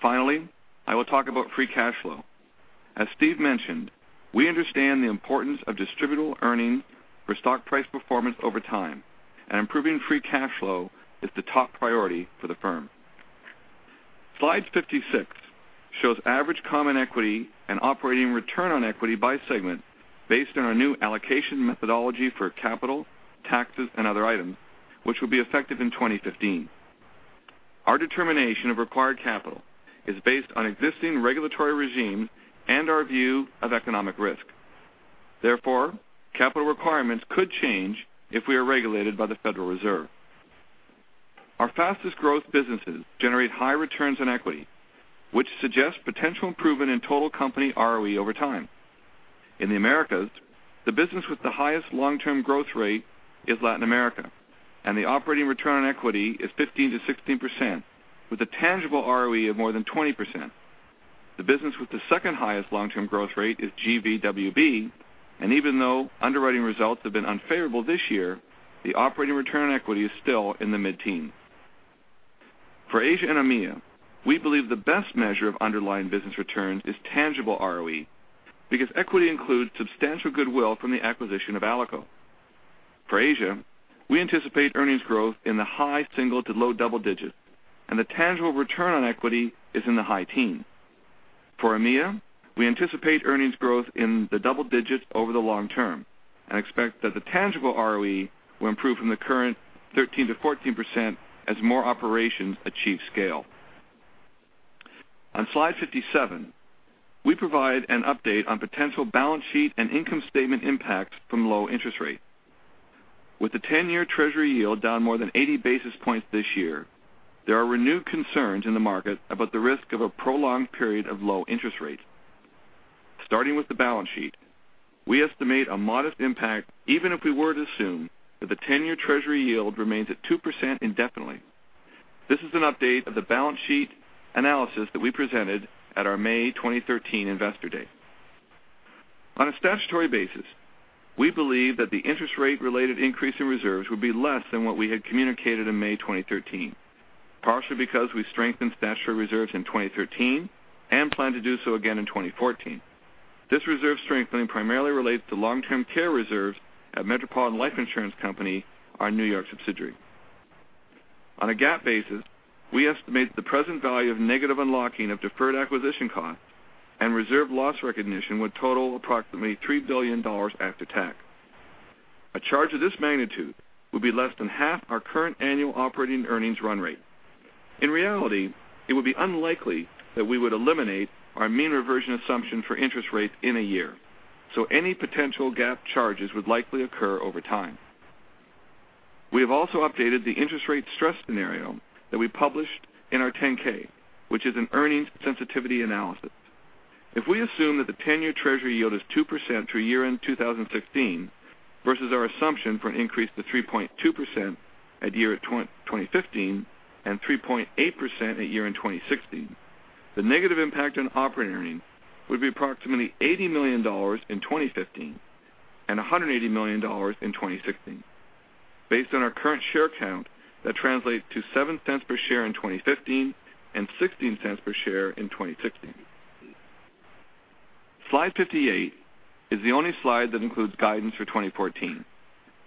Finally, I will talk about free cash flow. As Steve mentioned, we understand the importance of distributable earnings for stock price performance over time, and improving free cash flow is the top priority for the firm. Slide 56 shows average common equity and operating return on equity by segment based on our new allocation methodology for capital, taxes, and other items, which will be effective in 2015. Our determination of required capital is based on existing regulatory regimes and our view of economic risk. Therefore, capital requirements could change if we are regulated by the Federal Reserve. Our fastest growth businesses generate high returns on equity, which suggests potential improvement in total company ROE over time. In the Americas, the business with the highest long-term growth rate is Latin America, and the operating return on equity is 15%-16% with a tangible ROE of more than 20%. The business with the second highest long-term growth rate is GVWB, and even though underwriting results have been unfavorable this year, the operating return on equity is still in the mid-teens. For Asia and EMEA, we believe the best measure of underlying business returns is tangible ROE because equity includes substantial goodwill from the acquisition of Alico. For Asia, we anticipate earnings growth in the high single to low double digits, and the tangible return on equity is in the high teens. For EMEA, we anticipate earnings growth in the double digits over the long term and expect that the tangible ROE will improve from the current 13%-14% as more operations achieve scale. On slide 57, we provide an update on potential balance sheet and income statement impacts from low interest rates. With the 10-year Treasury yield down more than 80 basis points this year, there are renewed concerns in the market about the risk of a prolonged period of low interest rates. Starting with the balance sheet, we estimate a modest impact even if we were to assume that the 10-year Treasury yield remains at 2% indefinitely. This is an update of the balance sheet analysis that we presented at our May 2013 Investor Day. On a statutory basis, we believe that the interest rate related increase in reserves will be less than what we had communicated in May 2013, partially because we strengthened statutory reserves in 2013 and plan to do so again in 2014. This reserve strengthening primarily relates to long-term care reserves at Metropolitan Life Insurance Company, our New York subsidiary. On a GAAP basis, we estimate the present value of negative unlocking of deferred acquisition costs and reserve loss recognition would total approximately $3 billion after tax. A charge of this magnitude would be less than half our current annual operating earnings run rate. In reality, it would be unlikely that we would eliminate our mean reversion assumption for interest rates in a year, so any potential GAAP charges would likely occur over time. We have also updated the interest rate stress scenario that we published in our 10-K, which is an earnings sensitivity analysis. If we assume that the 10-year Treasury yield is 2% through year-end 2016 versus our assumption for an increase to 3.2% at year-end 2015 and 3.8% at year-end 2016, the negative impact on operating would be approximately $80 million in 2015 and $180 million in 2016. Based on our current share count, that translates to $0.07 per share in 2015 and $0.16 per share in 2016. Slide 58 is the only slide that includes guidance for 2014,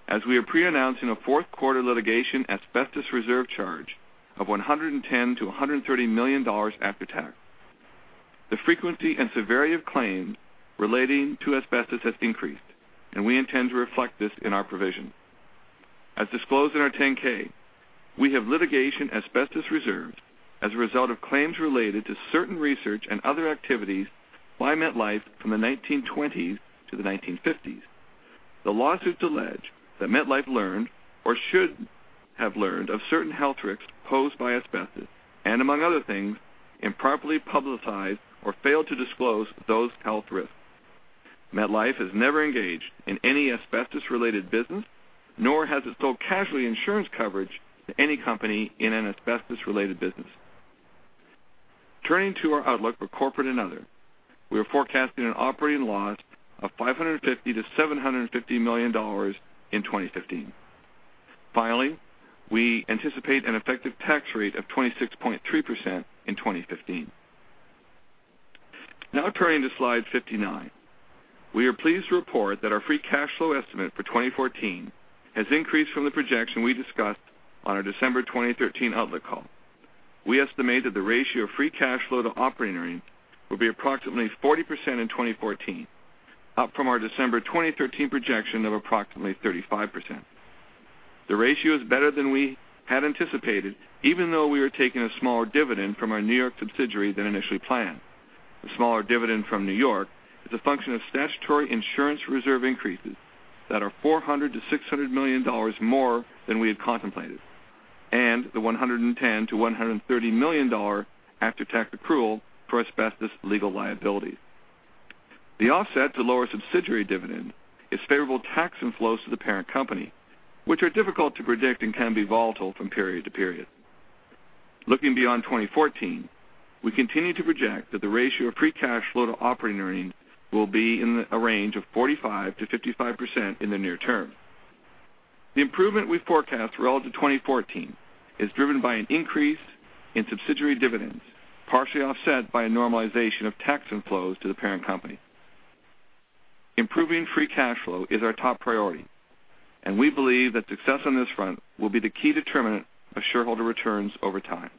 as we are pre-announcing a fourth quarter litigation asbestos reserve charge of $110 million-$130 million after tax. The frequency and severity of claims relating to asbestos has increased, and we intend to reflect this in our provision. As disclosed in our 10-K, we have litigation asbestos reserves as a result of claims related to certain research and other activities by MetLife from the 1920s to the 1950s. The lawsuits allege that MetLife learned or should have learned of certain health risks posed by asbestos, and among other things, improperly publicized or failed to disclose those health risks. MetLife has never engaged in any asbestos-related business, nor has it sold casualty insurance coverage to any company in an asbestos-related business. Turning to our outlook for corporate and other, we are forecasting an operating loss of $550 million-$750 million in 2015. Finally, we anticipate an effective tax rate of 26.3% in 2015. Now turning to slide 59. We are pleased to report that our free cash flow estimate for 2014 has increased from the projection we discussed on our December 2013 outlook call. We estimate that the ratio of free cash flow to operating earnings will be approximately 40% in 2014, up from our December 2013 projection of approximately 35%. The ratio is better than we had anticipated, even though we were taking a smaller dividend from our New York subsidiary than initially planned. The smaller dividend from New York is a function of statutory insurance reserve increases that are $400 million-$600 million more than we had contemplated, and the $110 million-$130 million after-tax accrual for asbestos legal liability. The offset to lower subsidiary dividend is favorable tax inflows to the parent company, which are difficult to predict and can be volatile from period to period. Looking beyond 2014, we continue to project that the ratio of free cash flow to operating earnings will be in the range of 45%-55% in the near term. The improvement we forecast relative to 2014 is driven by an increase in subsidiary dividends, partially offset by a normalization of tax inflows to the parent company. Improving free cash flow is our top priority, and we believe that success on this front will be the key determinant of shareholder returns over time.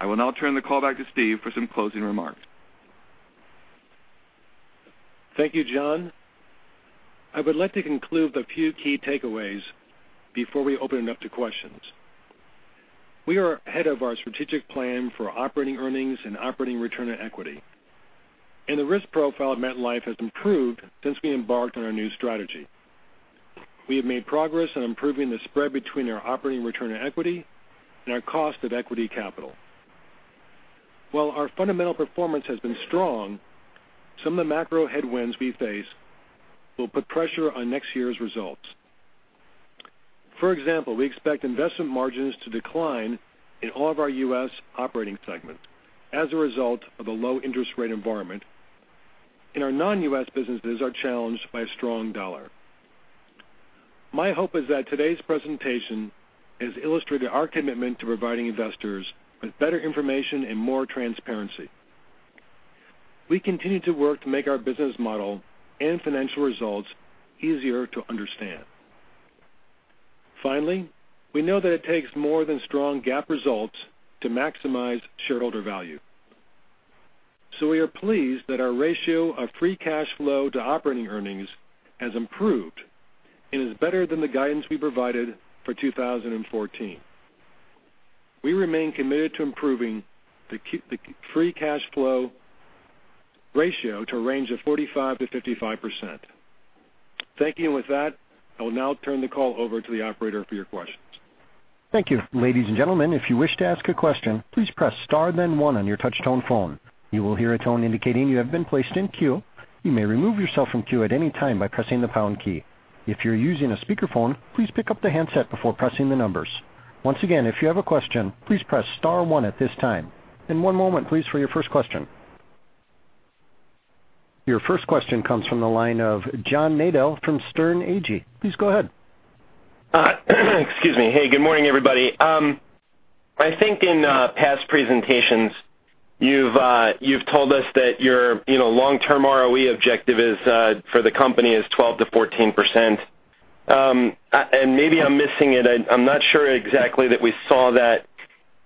I will now turn the call back to Steve for some closing remarks. Thank you, John. I would like to conclude with a few key takeaways before we open it up to questions. The risk profile at MetLife has improved since we embarked on our new strategy. We have made progress in improving the spread between our operating return on equity and our cost of equity capital. While our fundamental performance has been strong, some of the macro headwinds we face will put pressure on next year's results. For example, we expect investment margins to decline in all of our U.S. operating segments as a result of a low interest rate environment, and our non-U.S. businesses are challenged by a strong dollar. My hope is that today's presentation has illustrated our commitment to providing investors with better information and more transparency. We continue to work to make our business model and financial results easier to understand. Finally, we know that it takes more than strong GAAP results to maximize shareholder value. We are pleased that our ratio of free cash flow to operating earnings has improved and is better than the guidance we provided for 2014. We remain committed to improving the free cash flow ratio to a range of 45%-55%. Thank you. With that, I will now turn the call over to the operator for your questions. Thank you. Ladies and gentlemen, if you wish to ask a question, please press star then one on your touch tone phone. You will hear a tone indicating you have been placed in queue. You may remove yourself from queue at any time by pressing the pound key. If you're using a speakerphone, please pick up the handset before pressing the numbers. Once again, if you have a question, please press star one at this time. One moment, please, for your first question. Your first question comes from the line of John Nadel from Sterne Agee. Please go ahead. Excuse me. Hey, good morning, everybody. I think in past presentations, you've told us that your long-term ROE objective for the company is 12%-14%. Maybe I'm missing it, I'm not sure exactly that we saw that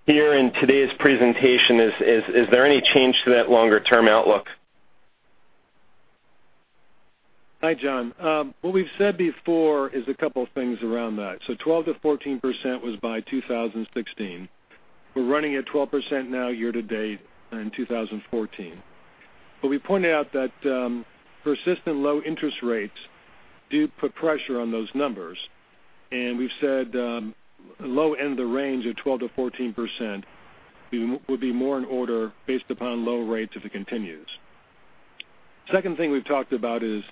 here in today's presentation. Is there any change to that longer-term outlook? Hi, John. What we've said before is a couple of things around that. 12%-14% was by 2016. We're running at 12% now year to date in 2014. We pointed out that persistent low interest rates do put pressure on those numbers, and we've said the low end of the range of 12%-14% would be more in order based upon low rates if it continues. Second thing we've talked about is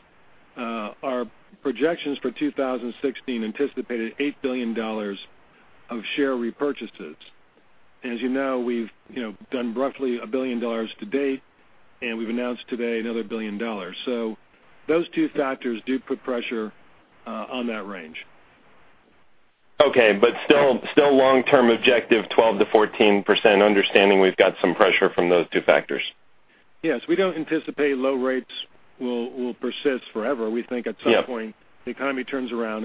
our projections for 2016 anticipated $8 billion of share repurchases. As you know, we've done roughly $1 billion to date, and we've announced today another $1 billion. Those two factors do put pressure on that range. Okay. Still long-term objective 12%-14%, understanding we've got some pressure from those two factors. Yes. We don't anticipate low rates will persist forever. We think at some point the economy turns around,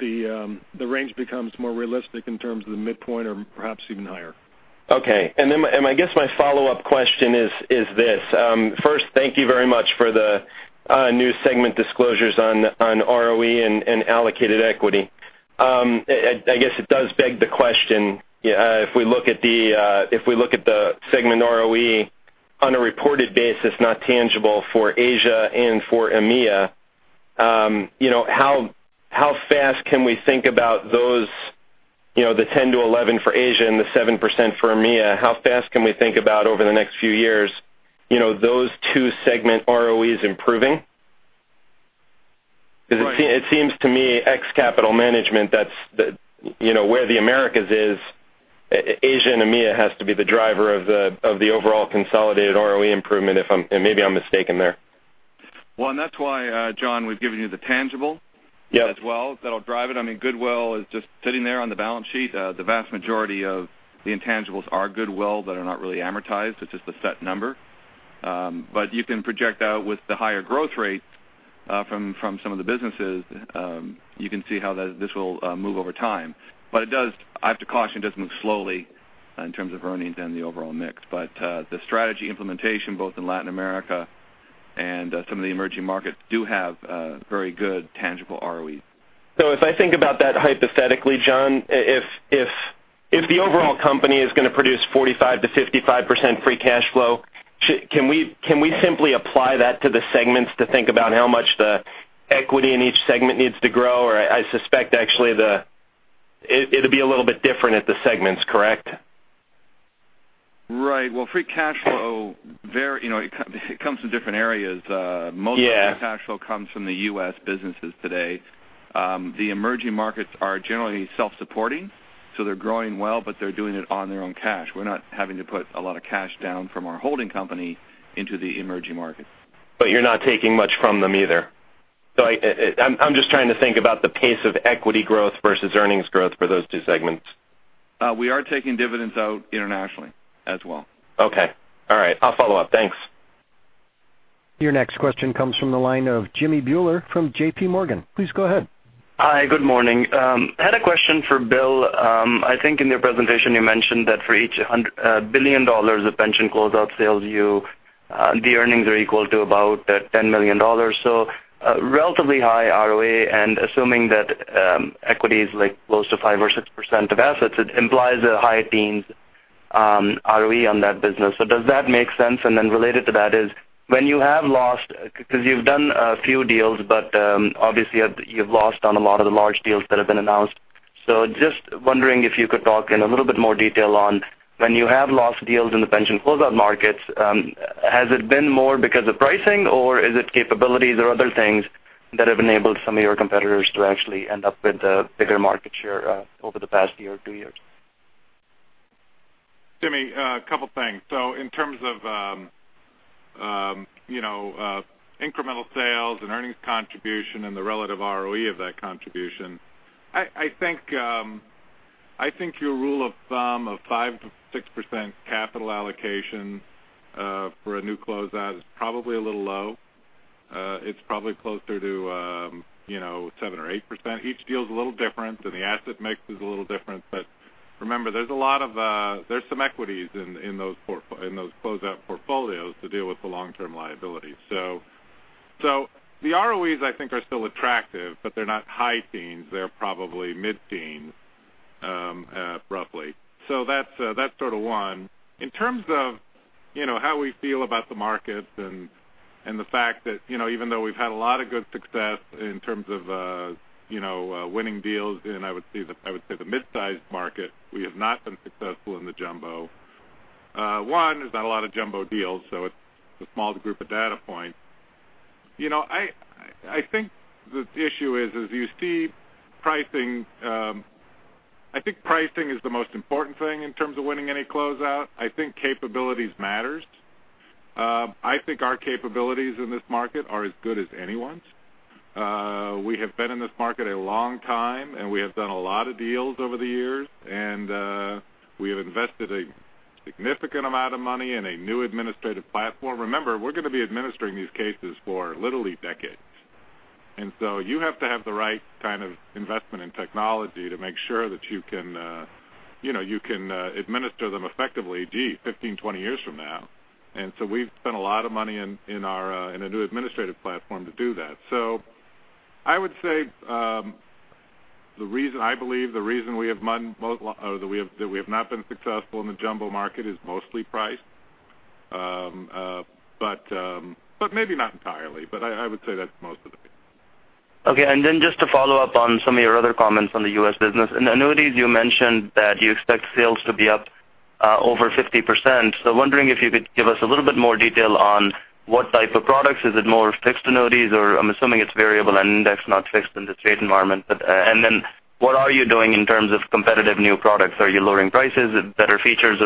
the range becomes more realistic in terms of the midpoint or perhaps even higher. Okay. I guess my follow-up question is this. First, thank you very much for the new segment disclosures on ROE and allocated equity. I guess it does beg the question, if we look at the segment ROE on a reported basis, not tangible for Asia and for EMEA, how fast can we think about the 10%-11% for Asia and the 7% for EMEA? How fast can we think about over the next few years, those two segment ROEs improving? Right. It seems to me, ex capital management, where the Americas is, Asia and EMEA has to be the driver of the overall consolidated ROE improvement. Maybe I'm mistaken there. Well, that's why, John, we've given you the tangible as well. That'll drive it. Goodwill is just sitting there on the balance sheet. The vast majority of the intangibles are goodwill, but are not really amortized. It's just a set number. You can project out with the higher growth rates from some of the businesses. You can see how this will move over time. I have to caution, it does move slowly in terms of earnings and the overall mix. The strategy implementation, both in Latin America and some of the emerging markets, do have very good tangible ROEs. If I think about that hypothetically, John, if the overall company is going to produce 45%-55% free cash flow, can we simply apply that to the segments to think about how much the equity in each segment needs to grow? I suspect, actually, it'll be a little bit different at the segments, correct? Well, free cash flow comes from different areas. Yeah. Most of the free cash flow comes from the U.S. businesses today. The emerging markets are generally self-supporting, so they're growing well, but they're doing it on their own cash. We're not having to put a lot of cash down from our holding company into the emerging markets. You're not taking much from them either. I'm just trying to think about the pace of equity growth versus earnings growth for those two segments. We are taking dividends out internationally as well. Okay. All right. I'll follow up. Thanks. Your next question comes from the line of Jimmy Bhullar from J.P. Morgan. Please go ahead. Hi. Good morning. I had a question for Bill. I think in your presentation, you mentioned that for each $1 billion of pension closeout sales, the earnings are equal to about $10 million. Relatively high ROA, and assuming that equity is close to 5% or 6% of assets, it implies a high teens ROE on that business. Does that make sense? Related to that is, because you've done a few deals, but obviously you've lost on a lot of the large deals that have been announced. Just wondering if you could talk in a little bit more detail on when you have lost deals in the pension closeout markets, has it been more because of pricing or is it capabilities or other things that have enabled some of your competitors to actually end up with a bigger market share over the past year or two years? Jimmy, a couple things. In terms of incremental sales and earnings contribution and the relative ROE of that contribution, I think your rule of thumb of 5%-6% capital allocation for a new closeout is probably a little low. It's probably closer to 7% or 8%. Each deal is a little different, and the asset mix is a little different. Remember, there's some equities in those closeout portfolios to deal with the long-term liability. The ROEs, I think, are still attractive, but they're not high teens. They're probably mid-teens, roughly. That's one. In terms of how we feel about the markets and the fact that even though we've had a lot of good success in terms of winning deals in, I would say, the mid-sized market, we have not been successful in the jumbo. One, there's not a lot of jumbo deals, so it's the smallest group of data points. I think the issue is, I think pricing is the most important thing in terms of winning any closeout. I think capabilities matters. I think our capabilities in this market are as good as anyone's. We have been in this market a long time, we have done a lot of deals over the years, we have invested a significant amount of money in a new administrative platform. Remember, we're going to be administering these cases for literally decades. You have to have the right kind of investment in technology to make sure that you can administer them effectively deep 15, 20 years from now. We've spent a lot of money in a new administrative platform to do that. I would say, I believe the reason that we have not been successful in the jumbo market is mostly price. Maybe not entirely, but I would say that's most of it. Okay. Just to follow up on some of your other comments on the U.S. business. In annuities, you mentioned that you expect sales to be up over 50%. Wondering if you could give us a little bit more detail on what type of products. Is it more fixed annuities? I'm assuming it's variable and index, not fixed in this rate environment. What are you doing in terms of competitive new products? Are you lowering prices, better features?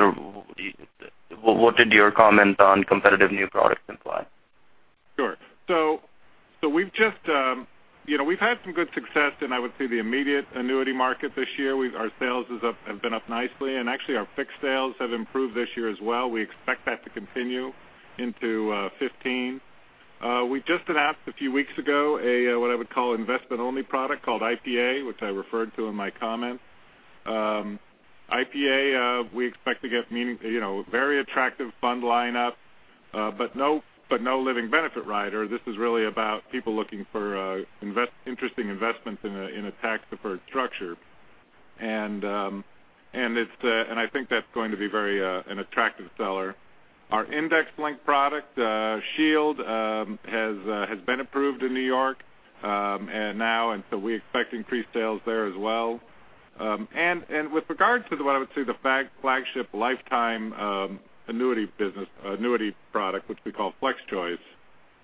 What did your comment on competitive new products imply? We've had some good success in, I would say, the immediate annuity market this year. Our sales have been up nicely, and actually, our fixed sales have improved this year as well. We expect that to continue into 2015. We just announced a few weeks ago, what I would call investment-only product called IPA, which I referred to in my comments. IPA, we expect to get very attractive fund lineup, but no living benefit rider. This is really about people looking for interesting investments in a tax-deferred structure. I think that's going to be an attractive seller. Our index link product, Shield, has been approved in New York now, so we're expecting pre-sales there as well. With regard to the, what I would say, the flagship lifetime annuity product, which we call FlexChoice,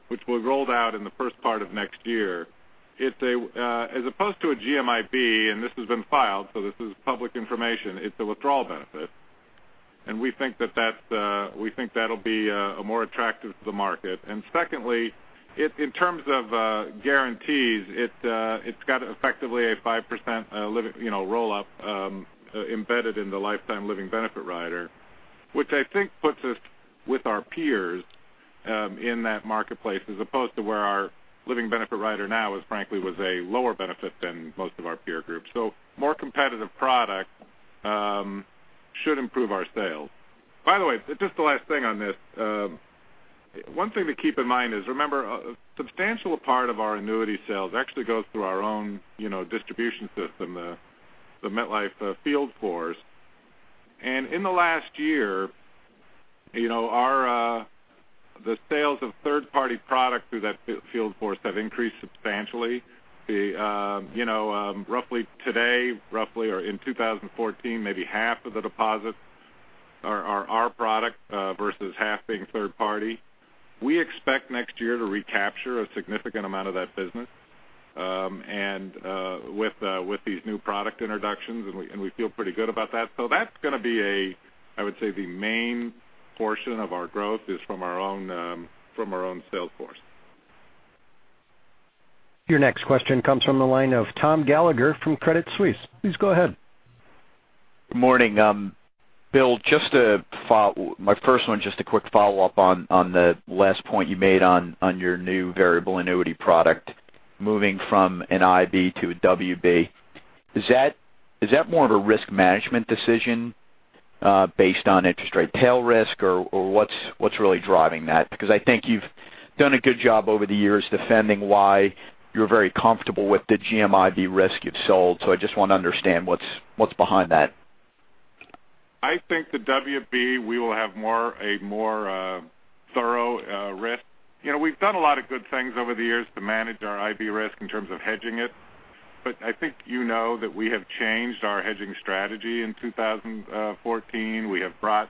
which will roll out in the first part of next year. As opposed to a GMIB, this has been filed, so this is public information, it's a withdrawal benefit. We think that'll be more attractive to the market. Secondly, in terms of guarantees, it's got effectively a 5% roll-up embedded in the lifetime living benefit rider, which I think puts us with our peers in that marketplace, as opposed to where our living benefit rider now is, frankly, was a lower benefit than most of our peer groups. More competitive product should improve our sales. By the way, just the last thing on this. One thing to keep in mind is, remember, a substantial part of our annuity sales actually goes through our own distribution system, the MetLife field force. In the last year, the sales of third-party products through that field force have increased substantially. Roughly today, or in 2014, maybe half of the deposits are our product versus half being third party. We expect next year to recapture a significant amount of that business with these new product introductions, and we feel pretty good about that. That's going to be, I would say, the main portion of our growth is from our own sales force. Your next question comes from the line of Tom Gallagher from Credit Suisse. Please go ahead. Good morning. Bill, my first one, just a quick follow-up on the last point you made on your new variable annuity product, moving from an IB to a WB. Is that more of a risk management decision based on interest rate tail risk or what's really driving that? Because I think you've done a good job over the years defending why you're very comfortable with the GMIB risk you've sold. I just want to understand what's behind that. I think the WB, we will have a more thorough risk. We've done a lot of good things over the years to manage our IB risk in terms of hedging it. I think you know that we have changed our hedging strategy in 2014. We have brought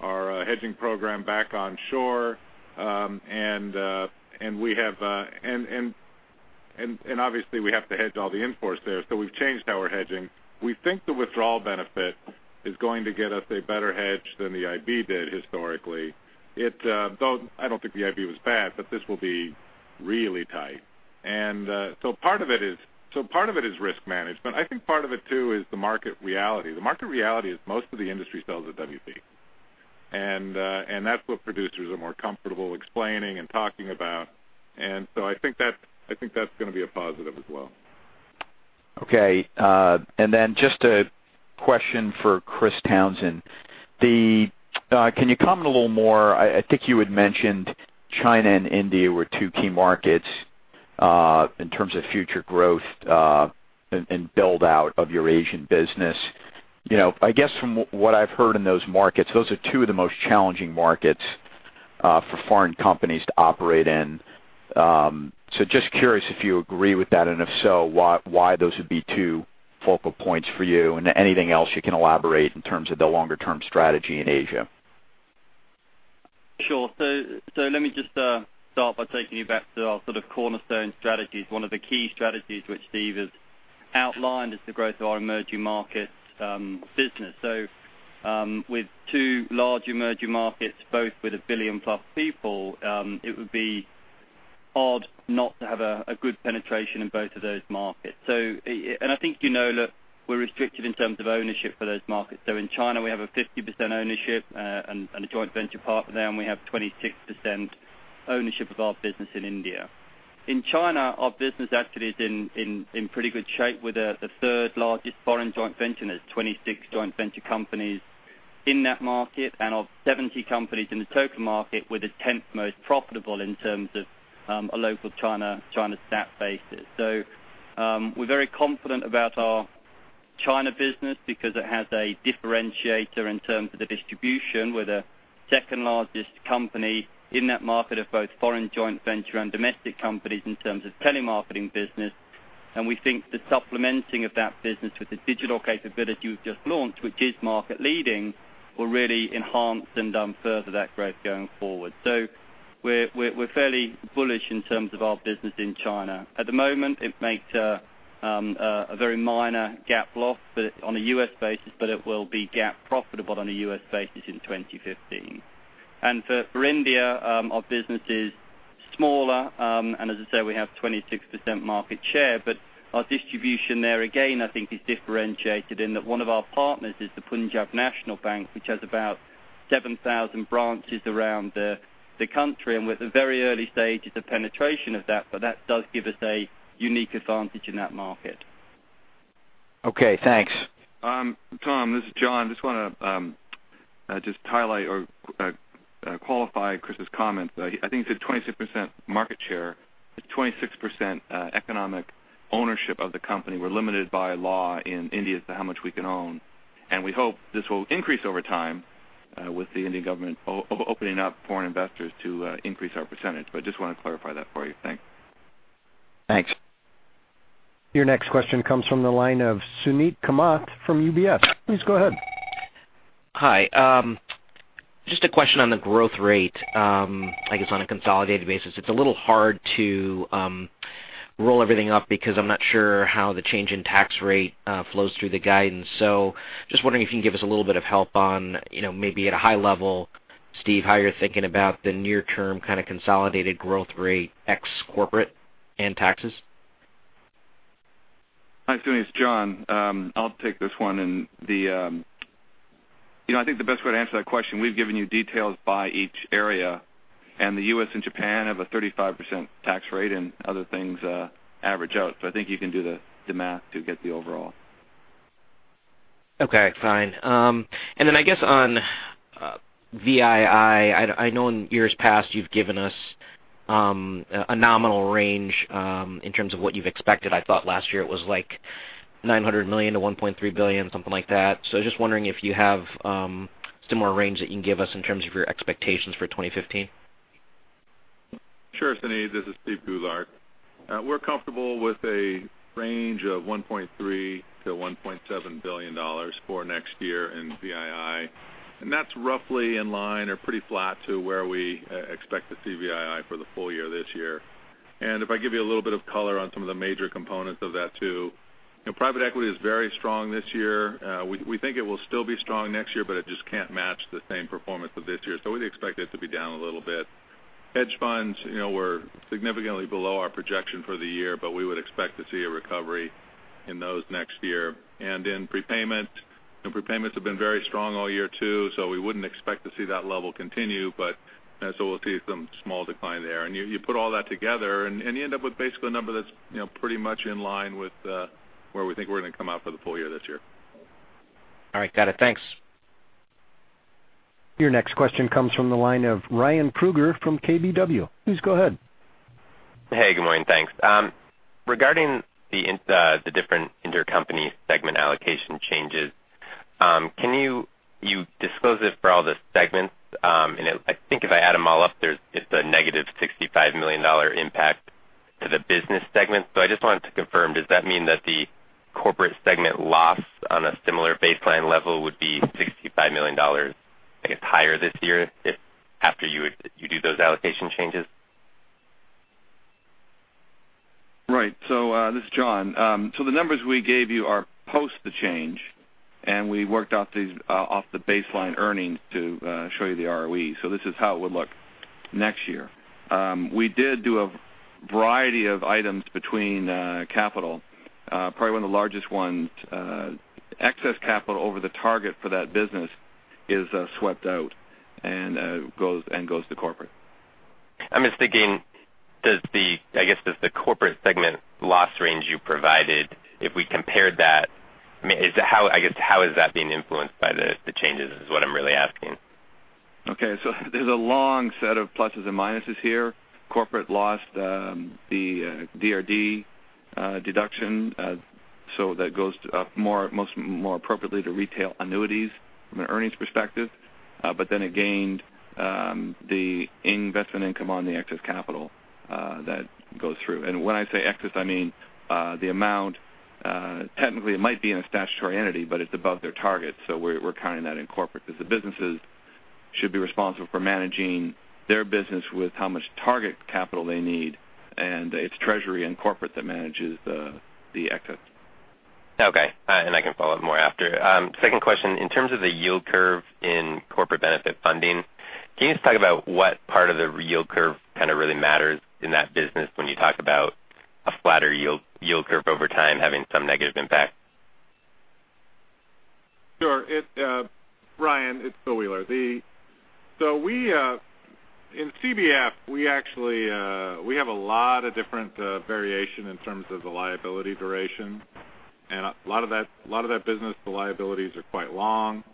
our hedging program back on shore. Obviously, we have to hedge all the in-force there, so we've changed how we're hedging. We think the withdrawal benefit is going to get us a better hedge than the IB did historically. I don't think the IB was bad, but this will be really tight. Part of it is risk management. I think part of it too is the market reality. The market reality is most of the industry sells a WB. That's what producers are more comfortable explaining and talking about. I think that's going to be a positive as well. Okay. Just a question for Christopher Townsend. Can you comment a little more, I think you had mentioned China and India were two key markets in terms of future growth and build-out of your Asian business. I guess from what I've heard in those markets, those are two of the most challenging markets for foreign companies to operate in. Just curious if you agree with that, and if so, why those would be two focal points for you and anything else you can elaborate in terms of the longer-term strategy in Asia? Let me just start by taking you back to our sort of cornerstone strategies. One of the key strategies which Steve has outlined is the growth of our emerging markets business. With two large emerging markets, both with a billion plus people, it would be odd not to have a good penetration in both of those markets. I think you know that we're restricted in terms of ownership for those markets. In China, we have a 50% ownership and a joint venture partner there, and we have 26% ownership of our business in India. In China, our business actually is in pretty good shape with the third largest foreign joint venture, and there's 26 joint venture companies in that market. Of 70 companies in the total market, we're the 10th most profitable in terms of a local China stat basis. We're very confident about our China business because it has a differentiator in terms of the distribution. We're the second-largest company in that market of both foreign joint venture and domestic companies in terms of telemarketing business. We think the supplementing of that business with the digital capability we've just launched, which is market leading, will really enhance and further that growth going forward. We're fairly bullish in terms of our business in China. At the moment, it makes a very minor GAAP loss on a U.S. basis, but it will be GAAP profitable on a U.S. basis in 2015. For India, our business is smaller. As I said, we have 26% market share, but our distribution there, again, I think is differentiated in that one of our partners is the Punjab National Bank, which has about 7,000 branches around the country, and we're at the very early stages of penetration of that. That does give us a unique advantage in that market. Okay, thanks. Tom, this is John. Just want to highlight or qualify Chris's comments. I think he said 26% market share. It's 26% economic ownership of the company. We're limited by law in India as to how much we can own. We hope this will increase over time, with the Indian government opening up foreign investors to increase our percentage. Just want to clarify that for you. Thanks. Thanks. Your next question comes from the line of Suneet Kamath from UBS. Please go ahead. Hi, just a question on the growth rate. I guess on a consolidated basis, it's a little hard to roll everything up because I'm not sure how the change in tax rate flows through the guidance. Just wondering if you can give us a little bit of help on, maybe at a high level, Steve, how you're thinking about the near term kind of consolidated growth rate ex-corporate and taxes. Hi, Suneet, it's John. I'll take this one. I think the best way to answer that question, we've given you details by each area. The U.S. and Japan have a 35% tax rate, and other things average out. I think you can do the math to get the overall. Okay, fine. Then I guess on VII, I know in years past you've given us a nominal range, in terms of what you've expected. I thought last year it was like $900 million-$1.3 billion, something like that. Just wondering if you have some more range that you can give us in terms of your expectations for 2015. Sure, Suneet. This is Steve Goulart. We're comfortable with a range of $1.3 billion-$1.7 billion for next year in VII. That's roughly in line or pretty flat to where we expect the VII for the full year this year. If I give you a little bit of color on some of the major components of that too. Private equity is very strong this year. We think it will still be strong next year, but it just can't match the same performance of this year. We'd expect it to be down a little bit. Hedge funds, we're significantly below our projection for the year, but we would expect to see a recovery in those next year. Prepayments have been very strong all year too. We wouldn't expect to see that level continue. We'll see some small decline there. You put all that together and you end up with basically a number that's pretty much in line with where we think we're going to come out for the full year this year. All right. Got it. Thanks. Your next question comes from the line of Ryan Krueger from KBW. Please go ahead. Hey, good morning. Thanks. Regarding the different intercompany segment allocation changes, can you disclose it for all the segments? I think if I add them all up, there's a negative $65 million impact to the business segment. I just wanted to confirm, does that mean that the corporate segment loss on a similar baseline level would be $65 million, I guess, higher this year after you do those allocation changes? Right. This is John. The numbers we gave you are post the change, and we worked off the baseline earnings to show you the ROE. This is how it would look next year. We did do a variety of items between capital. Probably one of the largest ones, excess capital over the target for that business is swept out and goes to corporate. I'm just thinking, I guess, does the corporate segment loss range you provided, if we compared that, how is that being influenced by the changes, is what I'm really asking. Okay. There's a long set of pluses and minuses here. Corporate lost the DRD deduction. That goes more appropriately to retail annuities from an earnings perspective. It gained the investment income on the excess capital that goes through. When I say excess, I mean, the amount, technically it might be in a statutory entity, but it's above their target, so we're counting that in Corporate because the businesses should be responsible for managing their business with how much target capital they need. It's treasury and Corporate that manages the excess. Okay. I can follow up more after. Second question, in terms of the yield curve in Corporate Benefit Funding, can you just talk about what part of the yield curve kind of really matters in that business when you talk about a flatter yield curve over time having some negative impact? Sure. Ryan, it's William Wheeler. In CBF, we have a lot of different variation in terms of the liability duration. A lot of that business, the liabilities are quite long.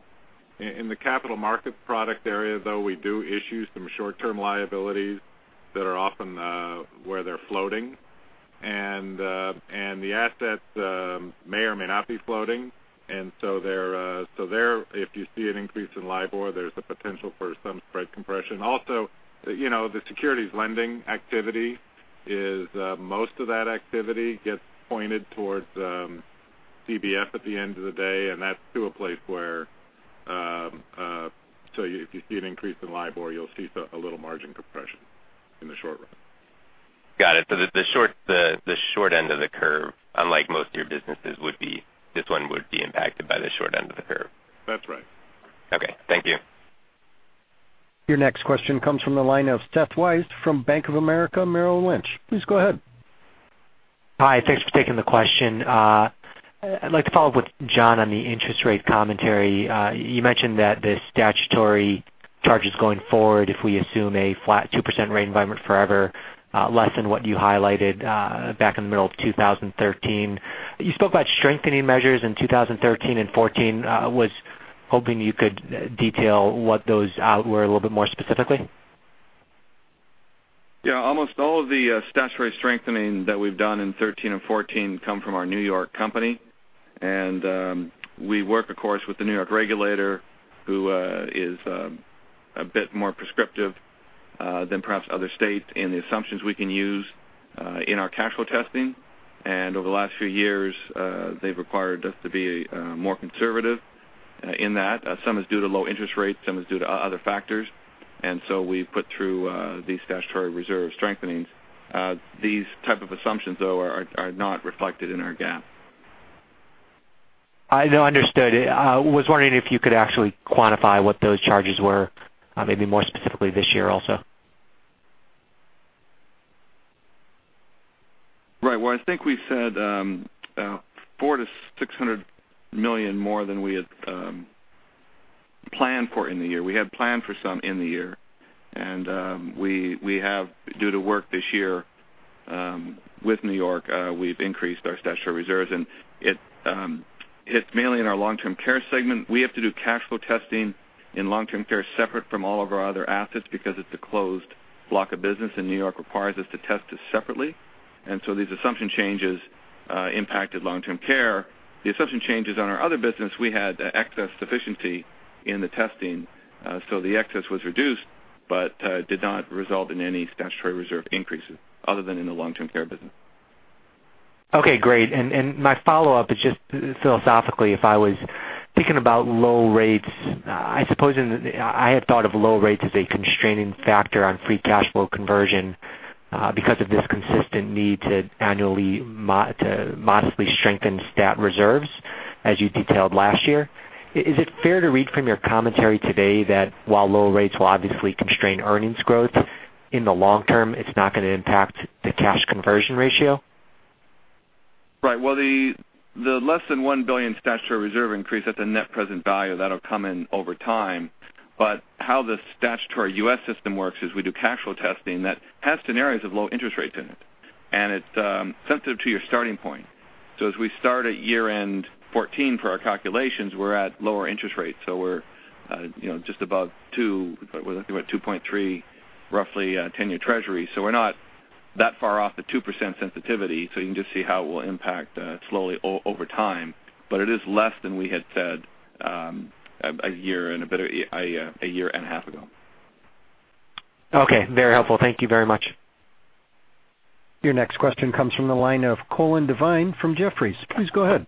In the capital market product area, though, we do issue some short-term liabilities that are often where they're floating, and the assets may or may not be floating. There, if you see an increase in LIBOR, there's the potential for some spread compression. Also, the securities lending activity is most of that activity gets pointed towards CBF at the end of the day, and that's to a place where, if you see an increase in LIBOR, you'll see a little margin compression in the short run. Got it. The short end of the curve, unlike most of your businesses, this one would be impacted by the short end of the curve. That's right. Okay. Thank you. Your next question comes from the line of Seth Weiss from Bank of America Merrill Lynch. Please go ahead. Hi. Thanks for taking the question. I'd like to follow up with John on the interest rate commentary. You mentioned that the statutory charges going forward, if we assume a flat 2% rate environment forever, less than what you highlighted back in the middle of 2013. You spoke about strengthening measures in 2013 and 2014. I was hoping you could detail what those were a little bit more specifically. Yeah. Almost all of the statutory strengthening that we've done in 2013 and 2014 come from our New York company. We work, of course, with the New York regulator, who is a bit more prescriptive than perhaps other states in the assumptions we can use in our cash flow testing. Over the last few years, they've required us to be more conservative in that. Some is due to low interest rates, some is due to other factors. We put through these statutory reserve strengthenings. These type of assumptions, though, are not reflected in our GAAP. Understood. I was wondering if you could actually quantify what those charges were, maybe more specifically this year also. Right. Well, I think we said $400 million-$600 million more than we had planned for in the year. We had planned for some in the year, and we have, due to work this year with New York, we've increased our statutory reserves, and it's mainly in our long-term care segment. We have to do cash flow testing in long-term care separate from all of our other assets because it's a closed block of business, and New York requires us to test it separately. These assumption changes impacted long-term care. The assumption changes on our other business, we had excess deficiency in the testing. The excess was reduced but did not result in any statutory reserve increases other than in the long-term care business. Okay, great. My follow-up is just philosophically, if I was thinking about low rates, I suppose I had thought of low rates as a constraining factor on free cash flow conversion because of this consistent need to annually, modestly strengthen stat reserves as you detailed last year. Is it fair to read from your commentary today that while low rates will obviously constrain earnings growth in the long term, it's not going to impact the cash conversion ratio? Right. Well, the less than $1 billion statutory reserve increase, that's a net present value that'll come in over time. How the statutory U.S. system works is we do cash flow testing that has scenarios of low interest rates in it, and it's sensitive to your starting point. As we start at year-end 2014 for our calculations, we're at lower interest rates, we're just above two, we're thinking about 2.3, roughly, 10-year Treasury. We're not that far off the 2% sensitivity. You can just see how it will impact slowly over time. It is less than we had said a year and a half ago. Okay. Very helpful. Thank you very much. Your next question comes from the line of Colin Devine from Jefferies. Please go ahead.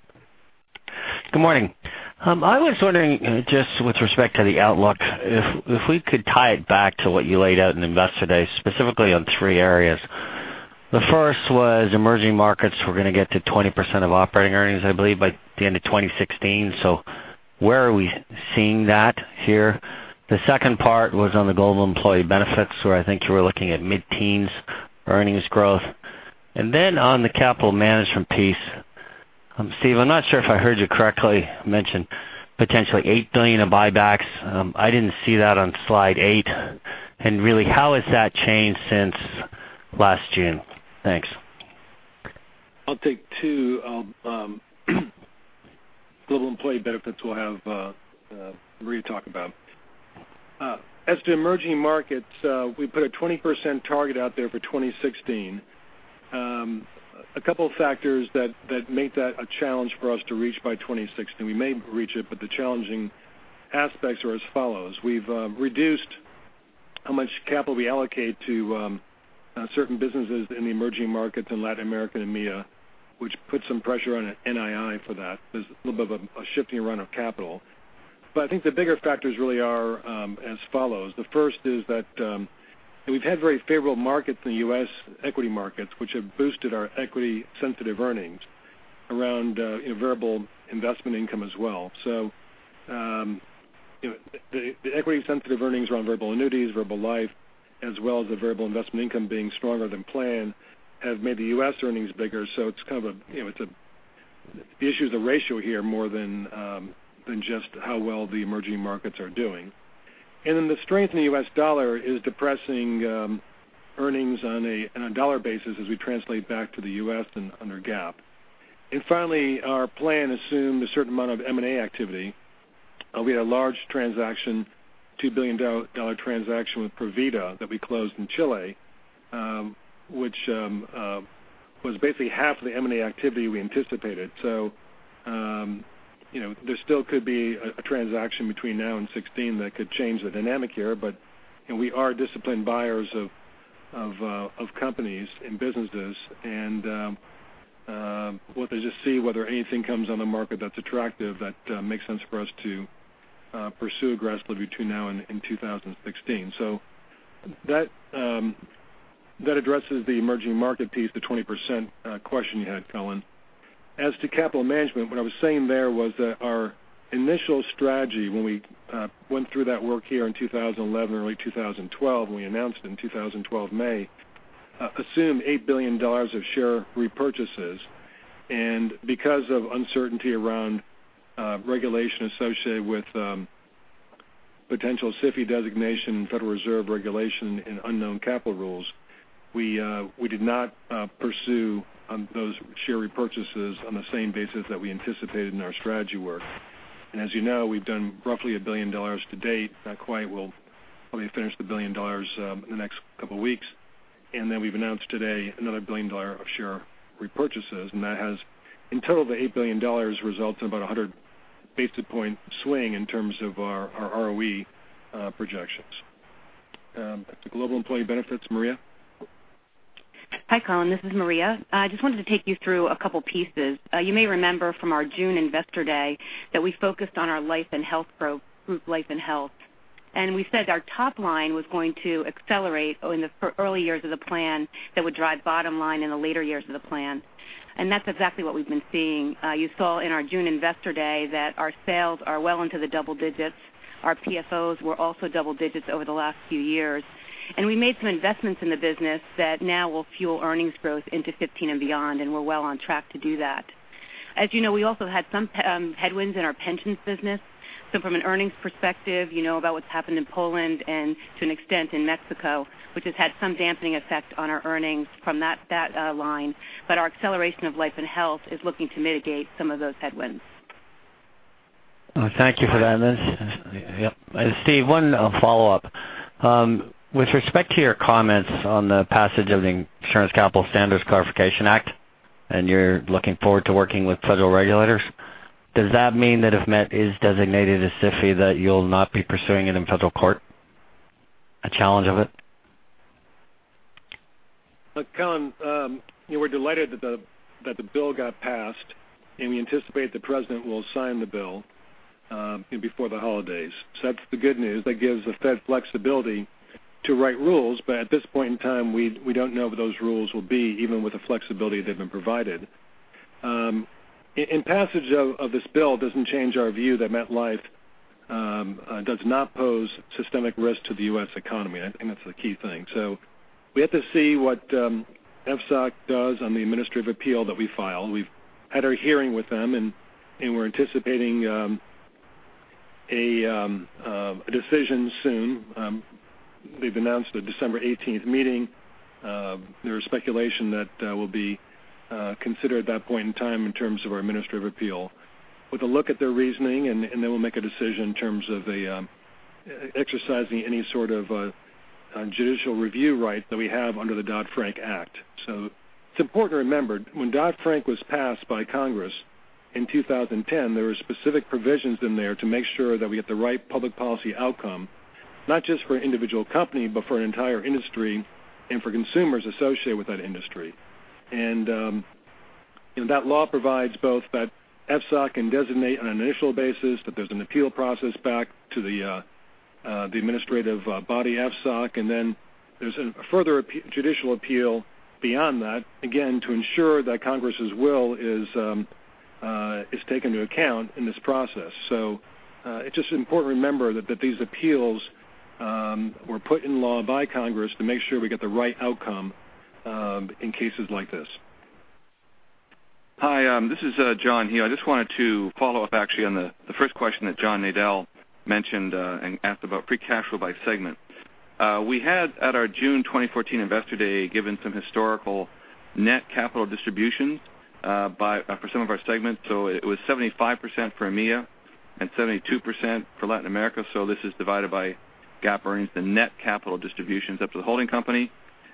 Good morning. I was wondering, just with respect to the outlook, if we could tie it back to what you laid out in Investor Day, specifically on three areas. The first was emerging markets were going to get to 20% of operating earnings, I believe, by the end of 2016. Where are we seeing that here? The second part was on the global employee benefits, where I think you were looking at mid-teens earnings growth. On the capital management piece, Steve, I'm not sure if I heard you correctly mention potentially $8 billion of buybacks. I didn't see that on slide eight. Really, how has that changed since last June? Thanks. I'll take two. Global employee benefits, we'll have Maria talk about. As to emerging markets, we put a 20% target out there for 2016. A couple of factors that make that a challenge for us to reach by 2016. We may reach it, but the challenging aspects are as follows. We've reduced how much capital we allocate to certain businesses in the emerging markets in Latin America and EMEA, which puts some pressure on NII for that. There's a little bit of a shifting around of capital. I think the bigger factors really are as follows. The first is that we've had very favorable markets in the US equity markets, which have boosted our equity-sensitive earnings around variable investment income as well. The equity-sensitive earnings around variable annuities, variable life, as well as the variable investment income being stronger than planned, have made the US earnings bigger. The issue is a ratio here more than just how well the emerging markets are doing. The strength in the U.S. dollar is depressing earnings on a dollar basis as we translate back to the U.S. and under GAAP. Finally, our plan assumed a certain amount of M&A activity. We had a large transaction, $2 billion transaction with Provida that we closed in Chile which was basically half of the M&A activity we anticipated. There still could be a transaction between now and 2016 that could change the dynamic here. We are disciplined buyers of companies and businesses, and We'll just see whether anything comes on the market that's attractive that makes sense for us to pursue aggressively between now and in 2016. That addresses the emerging market piece, the 20% question you had, Colin. As to capital management, what I was saying there was that our initial strategy when we went through that work here in 2011, early 2012, and we announced in 2012 May, assumed $8 billion of share repurchases. Because of uncertainty around regulation associated with potential SIFI designation, Federal Reserve regulation, and unknown capital rules, we did not pursue those share repurchases on the same basis that we anticipated in our strategy work. As you know, we've done roughly $1 billion to date. Not quite. We'll probably finish the $1 billion in the next couple of weeks, and then we've announced today another $1 billion of share repurchases, and that has, in total, the $8 billion results in about 100 basis point swing in terms of our ROE projections. To global employee benefits, Maria? Hi, Colin, this is Maria. I just wanted to take you through a couple pieces. You may remember from our June Investor Day that we focused on our life and health growth, group life and health, and we said our top line was going to accelerate in the early years of the plan that would drive bottom line in the later years of the plan. That's exactly what we've been seeing. You saw in our June Investor Day that our sales are well into the double digits. Our PFOs were also double digits over the last few years, and we made some investments in the business that now will fuel earnings growth into 2015 and beyond, and we're well on track to do that. As you know, we also had some headwinds in our pensions business. From an earnings perspective, you know about what's happened in Poland and to an extent in Mexico, which has had some damping effect on our earnings from that line. Our acceleration of life and health is looking to mitigate some of those headwinds. Thank you for that. Yep. Steve, one follow-up. With respect to your comments on the passage of the Insurance Capital Standards Clarification Act, and you're looking forward to working with federal regulators, does that mean that if Met is designated as SIFI that you'll not be pursuing it in federal court, a challenge of it? Look, Colin, we're delighted that the bill got passed, and we anticipate the President will sign the bill before the holidays. That's the good news. That gives the Fed flexibility to write rules, but at this point in time, we don't know what those rules will be, even with the flexibility they've been provided. Passage of this bill doesn't change our view that MetLife does not pose systemic risk to the U.S. economy. I think that's the key thing. We have to see what FSOC does on the administrative appeal that we file. We've had our hearing with them, and we're anticipating a decision soon. They've announced a December 18th meeting. There is speculation that will be considered at that point in time in terms of our administrative appeal. With a look at their reasoning, and then we'll make a decision in terms of exercising any sort of judicial review right that we have under the Dodd-Frank Act. It's important to remember, when Dodd-Frank was passed by Congress in 2010, there were specific provisions in there to make sure that we get the right public policy outcome, not just for an individual company, but for an entire industry and for consumers associated with that industry. That law provides both that FSOC can designate on an initial basis that there's an appeal process back to the administrative body, FSOC, and then there's a further judicial appeal beyond that, again, to ensure that Congress' will is taken into account in this process. It's just important to remember that these appeals were put in law by Congress to make sure we get the right outcome in cases like this. Hi, this is John Hall. I just wanted to follow up actually on the first question that John Nadel mentioned and asked about free cash flow by segment. We had, at our June 2014 investor day, given some historical net capital distributions for some of our segments. It was 75% for EMEA and 72% for Latin America. This is divided by GAAP earnings, the net capital distributions up to the holding company.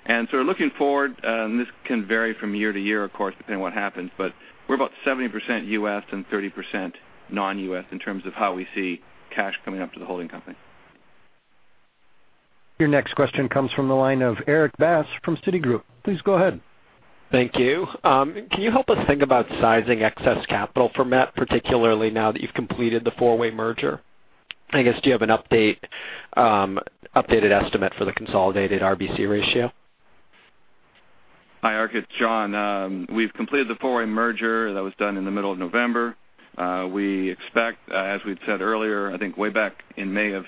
We're looking forward, this can vary from year to year, of course, depending on what happens, but we're about 70% U.S. and 30% non-U.S. in terms of how we see cash coming up to the holding company. Your next question comes from the line of Erik Bass from Citigroup. Please go ahead. Thank you. Can you help us think about sizing excess capital for Met, particularly now that you've completed the four-way merger? I guess, do you have an updated estimate for the consolidated RBC ratio? Hi, Eric. It's John. We've completed the four-way merger. That was done in the middle of November. We expect, as we'd said earlier, I think way back in May of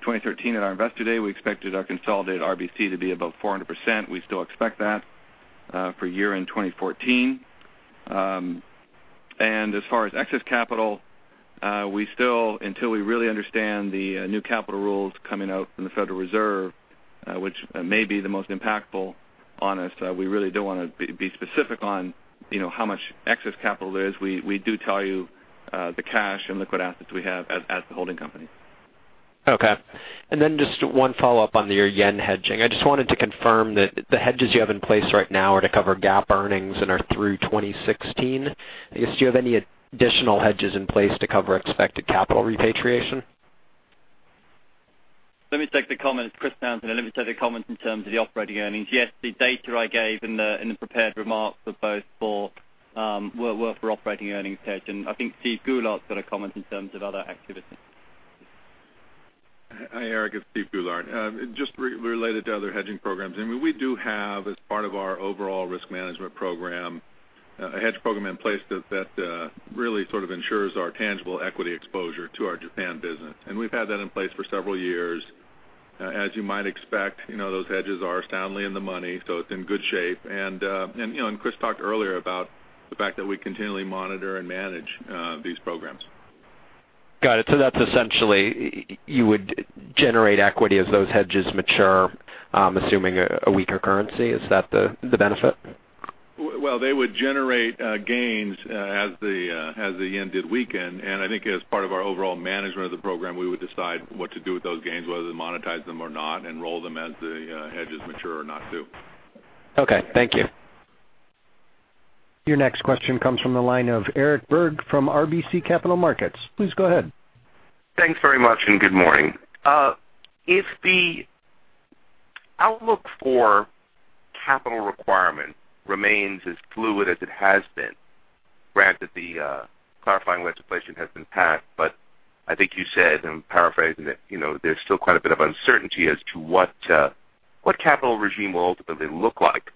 2013 at our investor day, we expected our consolidated RBC to be about 400%. We still expect that for year-end 2014. As far as excess capital, we still, until we really understand the new capital rules coming out from the Federal Reserve, which may be the most impactful on us, we really don't want to be specific on how much excess capital there is. We do tell you the cash and liquid assets we have at the holding company. Okay. Just one follow-up on your yen hedging. I just wanted to confirm that the hedges you have in place right now are to cover GAAP earnings and are through 2016. I guess, do you have any additional hedges in place to cover expected capital repatriation? Let me take the comments. Christopher Townsend, let me take the comments in terms of the operating earnings. Yes, the data I gave in the prepared remarks were both for operating earnings hedge. I think Steve Goulart's got a comment in terms of other activity. Hi, Eric, it's Steve Goulart. Just related to other hedging programs. We do have, as part of our overall risk management program, a hedge program in place that really sort of ensures our tangible equity exposure to our Japan business. We've had that in place for several years. As you might expect, those hedges are soundly in the money, so it's in good shape. Chris talked earlier about the fact that we continually monitor and manage these programs. Got it. That's essentially, you would generate equity as those hedges mature, assuming a weaker currency. Is that the benefit? Well, they would generate gains as the yen did weaken. I think as part of our overall management of the program, we would decide what to do with those gains, whether to monetize them or not and roll them as the hedges mature or not do. Okay, thank you. Your next question comes from the line of Eric Berg from RBC Capital Markets. Please go ahead. Thanks very much, and good morning. If the outlook for capital requirement remains as fluid as it has been, granted the clarifying legislation has been passed, but I think you said, I am paraphrasing it, there is still quite a bit of uncertainty as to what capital regime will ultimately look like.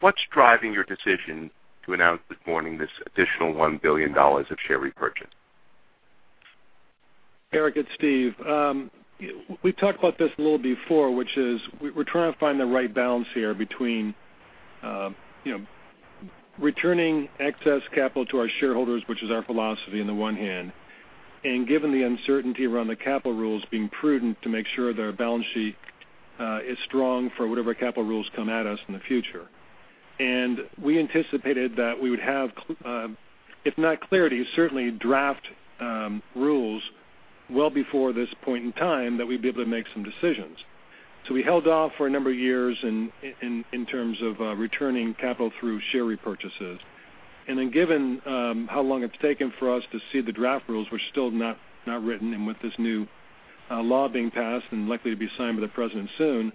What is driving your decision to announce this morning this additional $1 billion of share repurchase? Eric, it is Steve. We talked about this a little before, which is we are trying to find the right balance here between returning excess capital to our shareholders, which is our philosophy on the one hand, and given the uncertainty around the capital rules, being prudent to make sure that our balance sheet is strong for whatever capital rules come at us in the future. We anticipated that we would have, if not clarity, certainly draft rules well before this point in time that we would be able to make some decisions. We held off for a number of years in terms of returning capital through share repurchases. Given how long it has taken for us to see the draft rules, which are still not written, and with this new law being passed and likely to be signed by the President soon,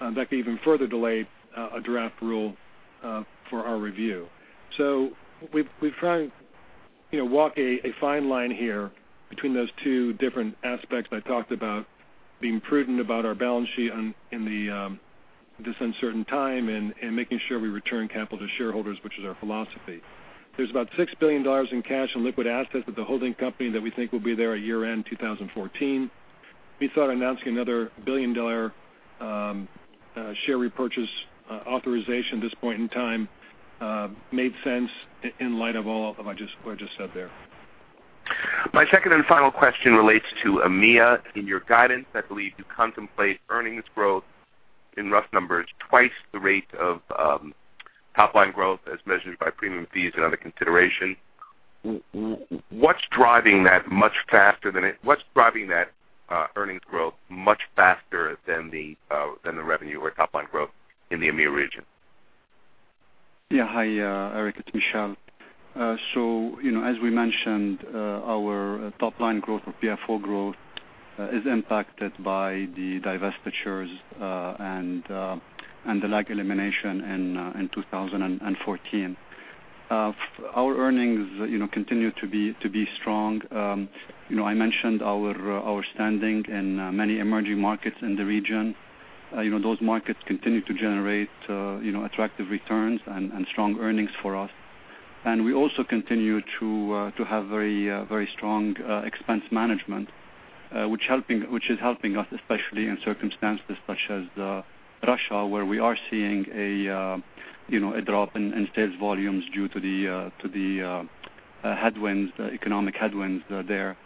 that could even further delay a draft rule for our review. We have tried walk a fine line here between those two different aspects I talked about, being prudent about our balance sheet in this uncertain time and making sure we return capital to shareholders, which is our philosophy. There is about $6 billion in cash and liquid assets with the holding company that we think will be there at year-end 2014. We thought announcing another billion-dollar share repurchase authorization at this point in time made sense in light of all of what I just said there. My second and final question relates to EMEA. In your guidance, I believe you contemplate earnings growth in rough numbers twice the rate of top-line growth as measured by premium fees and other consideration. What is driving that earnings growth much faster than the revenue or top-line growth in the EMEA region? Yeah. Hi, Eric, it's Michel. As we mentioned, our top-line growth or PFO growth is impacted by the divestitures and the lag elimination in 2014. Our earnings continue to be strong. I mentioned our standing in many emerging markets in the region. Those markets continue to generate attractive returns and strong earnings for us. We also continue to have very strong expense management which is helping us, especially in circumstances such as Russia, where we are seeing a drop in sales volumes due to the economic headwinds there.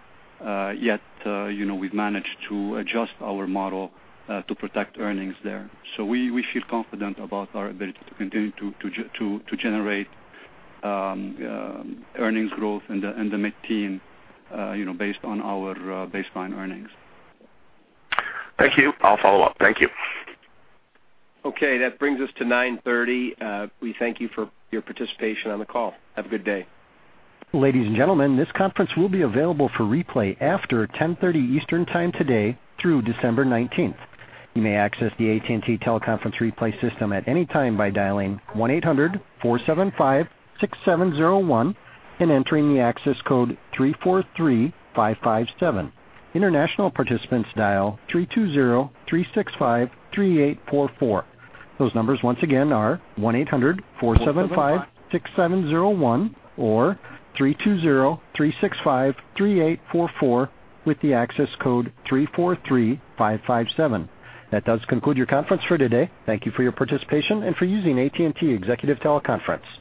Yet, we've managed to adjust our model to protect earnings there. We feel confident about our ability to continue to generate earnings growth in the mid-teen based on our baseline earnings. Thank you. I'll follow up. Thank you. Okay. That brings us to 9:30. We thank you for your participation on the call. Have a good day. Ladies and gentlemen, this conference will be available for replay after 10:30 Eastern Time today through December 19th. You may access the AT&T TeleConference replay system at any time by dialing 1-800-475-6701 and entering the access code 343557. International participants dial 3203653844. Those numbers once again are 1-800-475-6701 or 3203653844 with the access code 343557. That does conclude your conference for today. Thank you for your participation and for using AT&T TeleConference Services.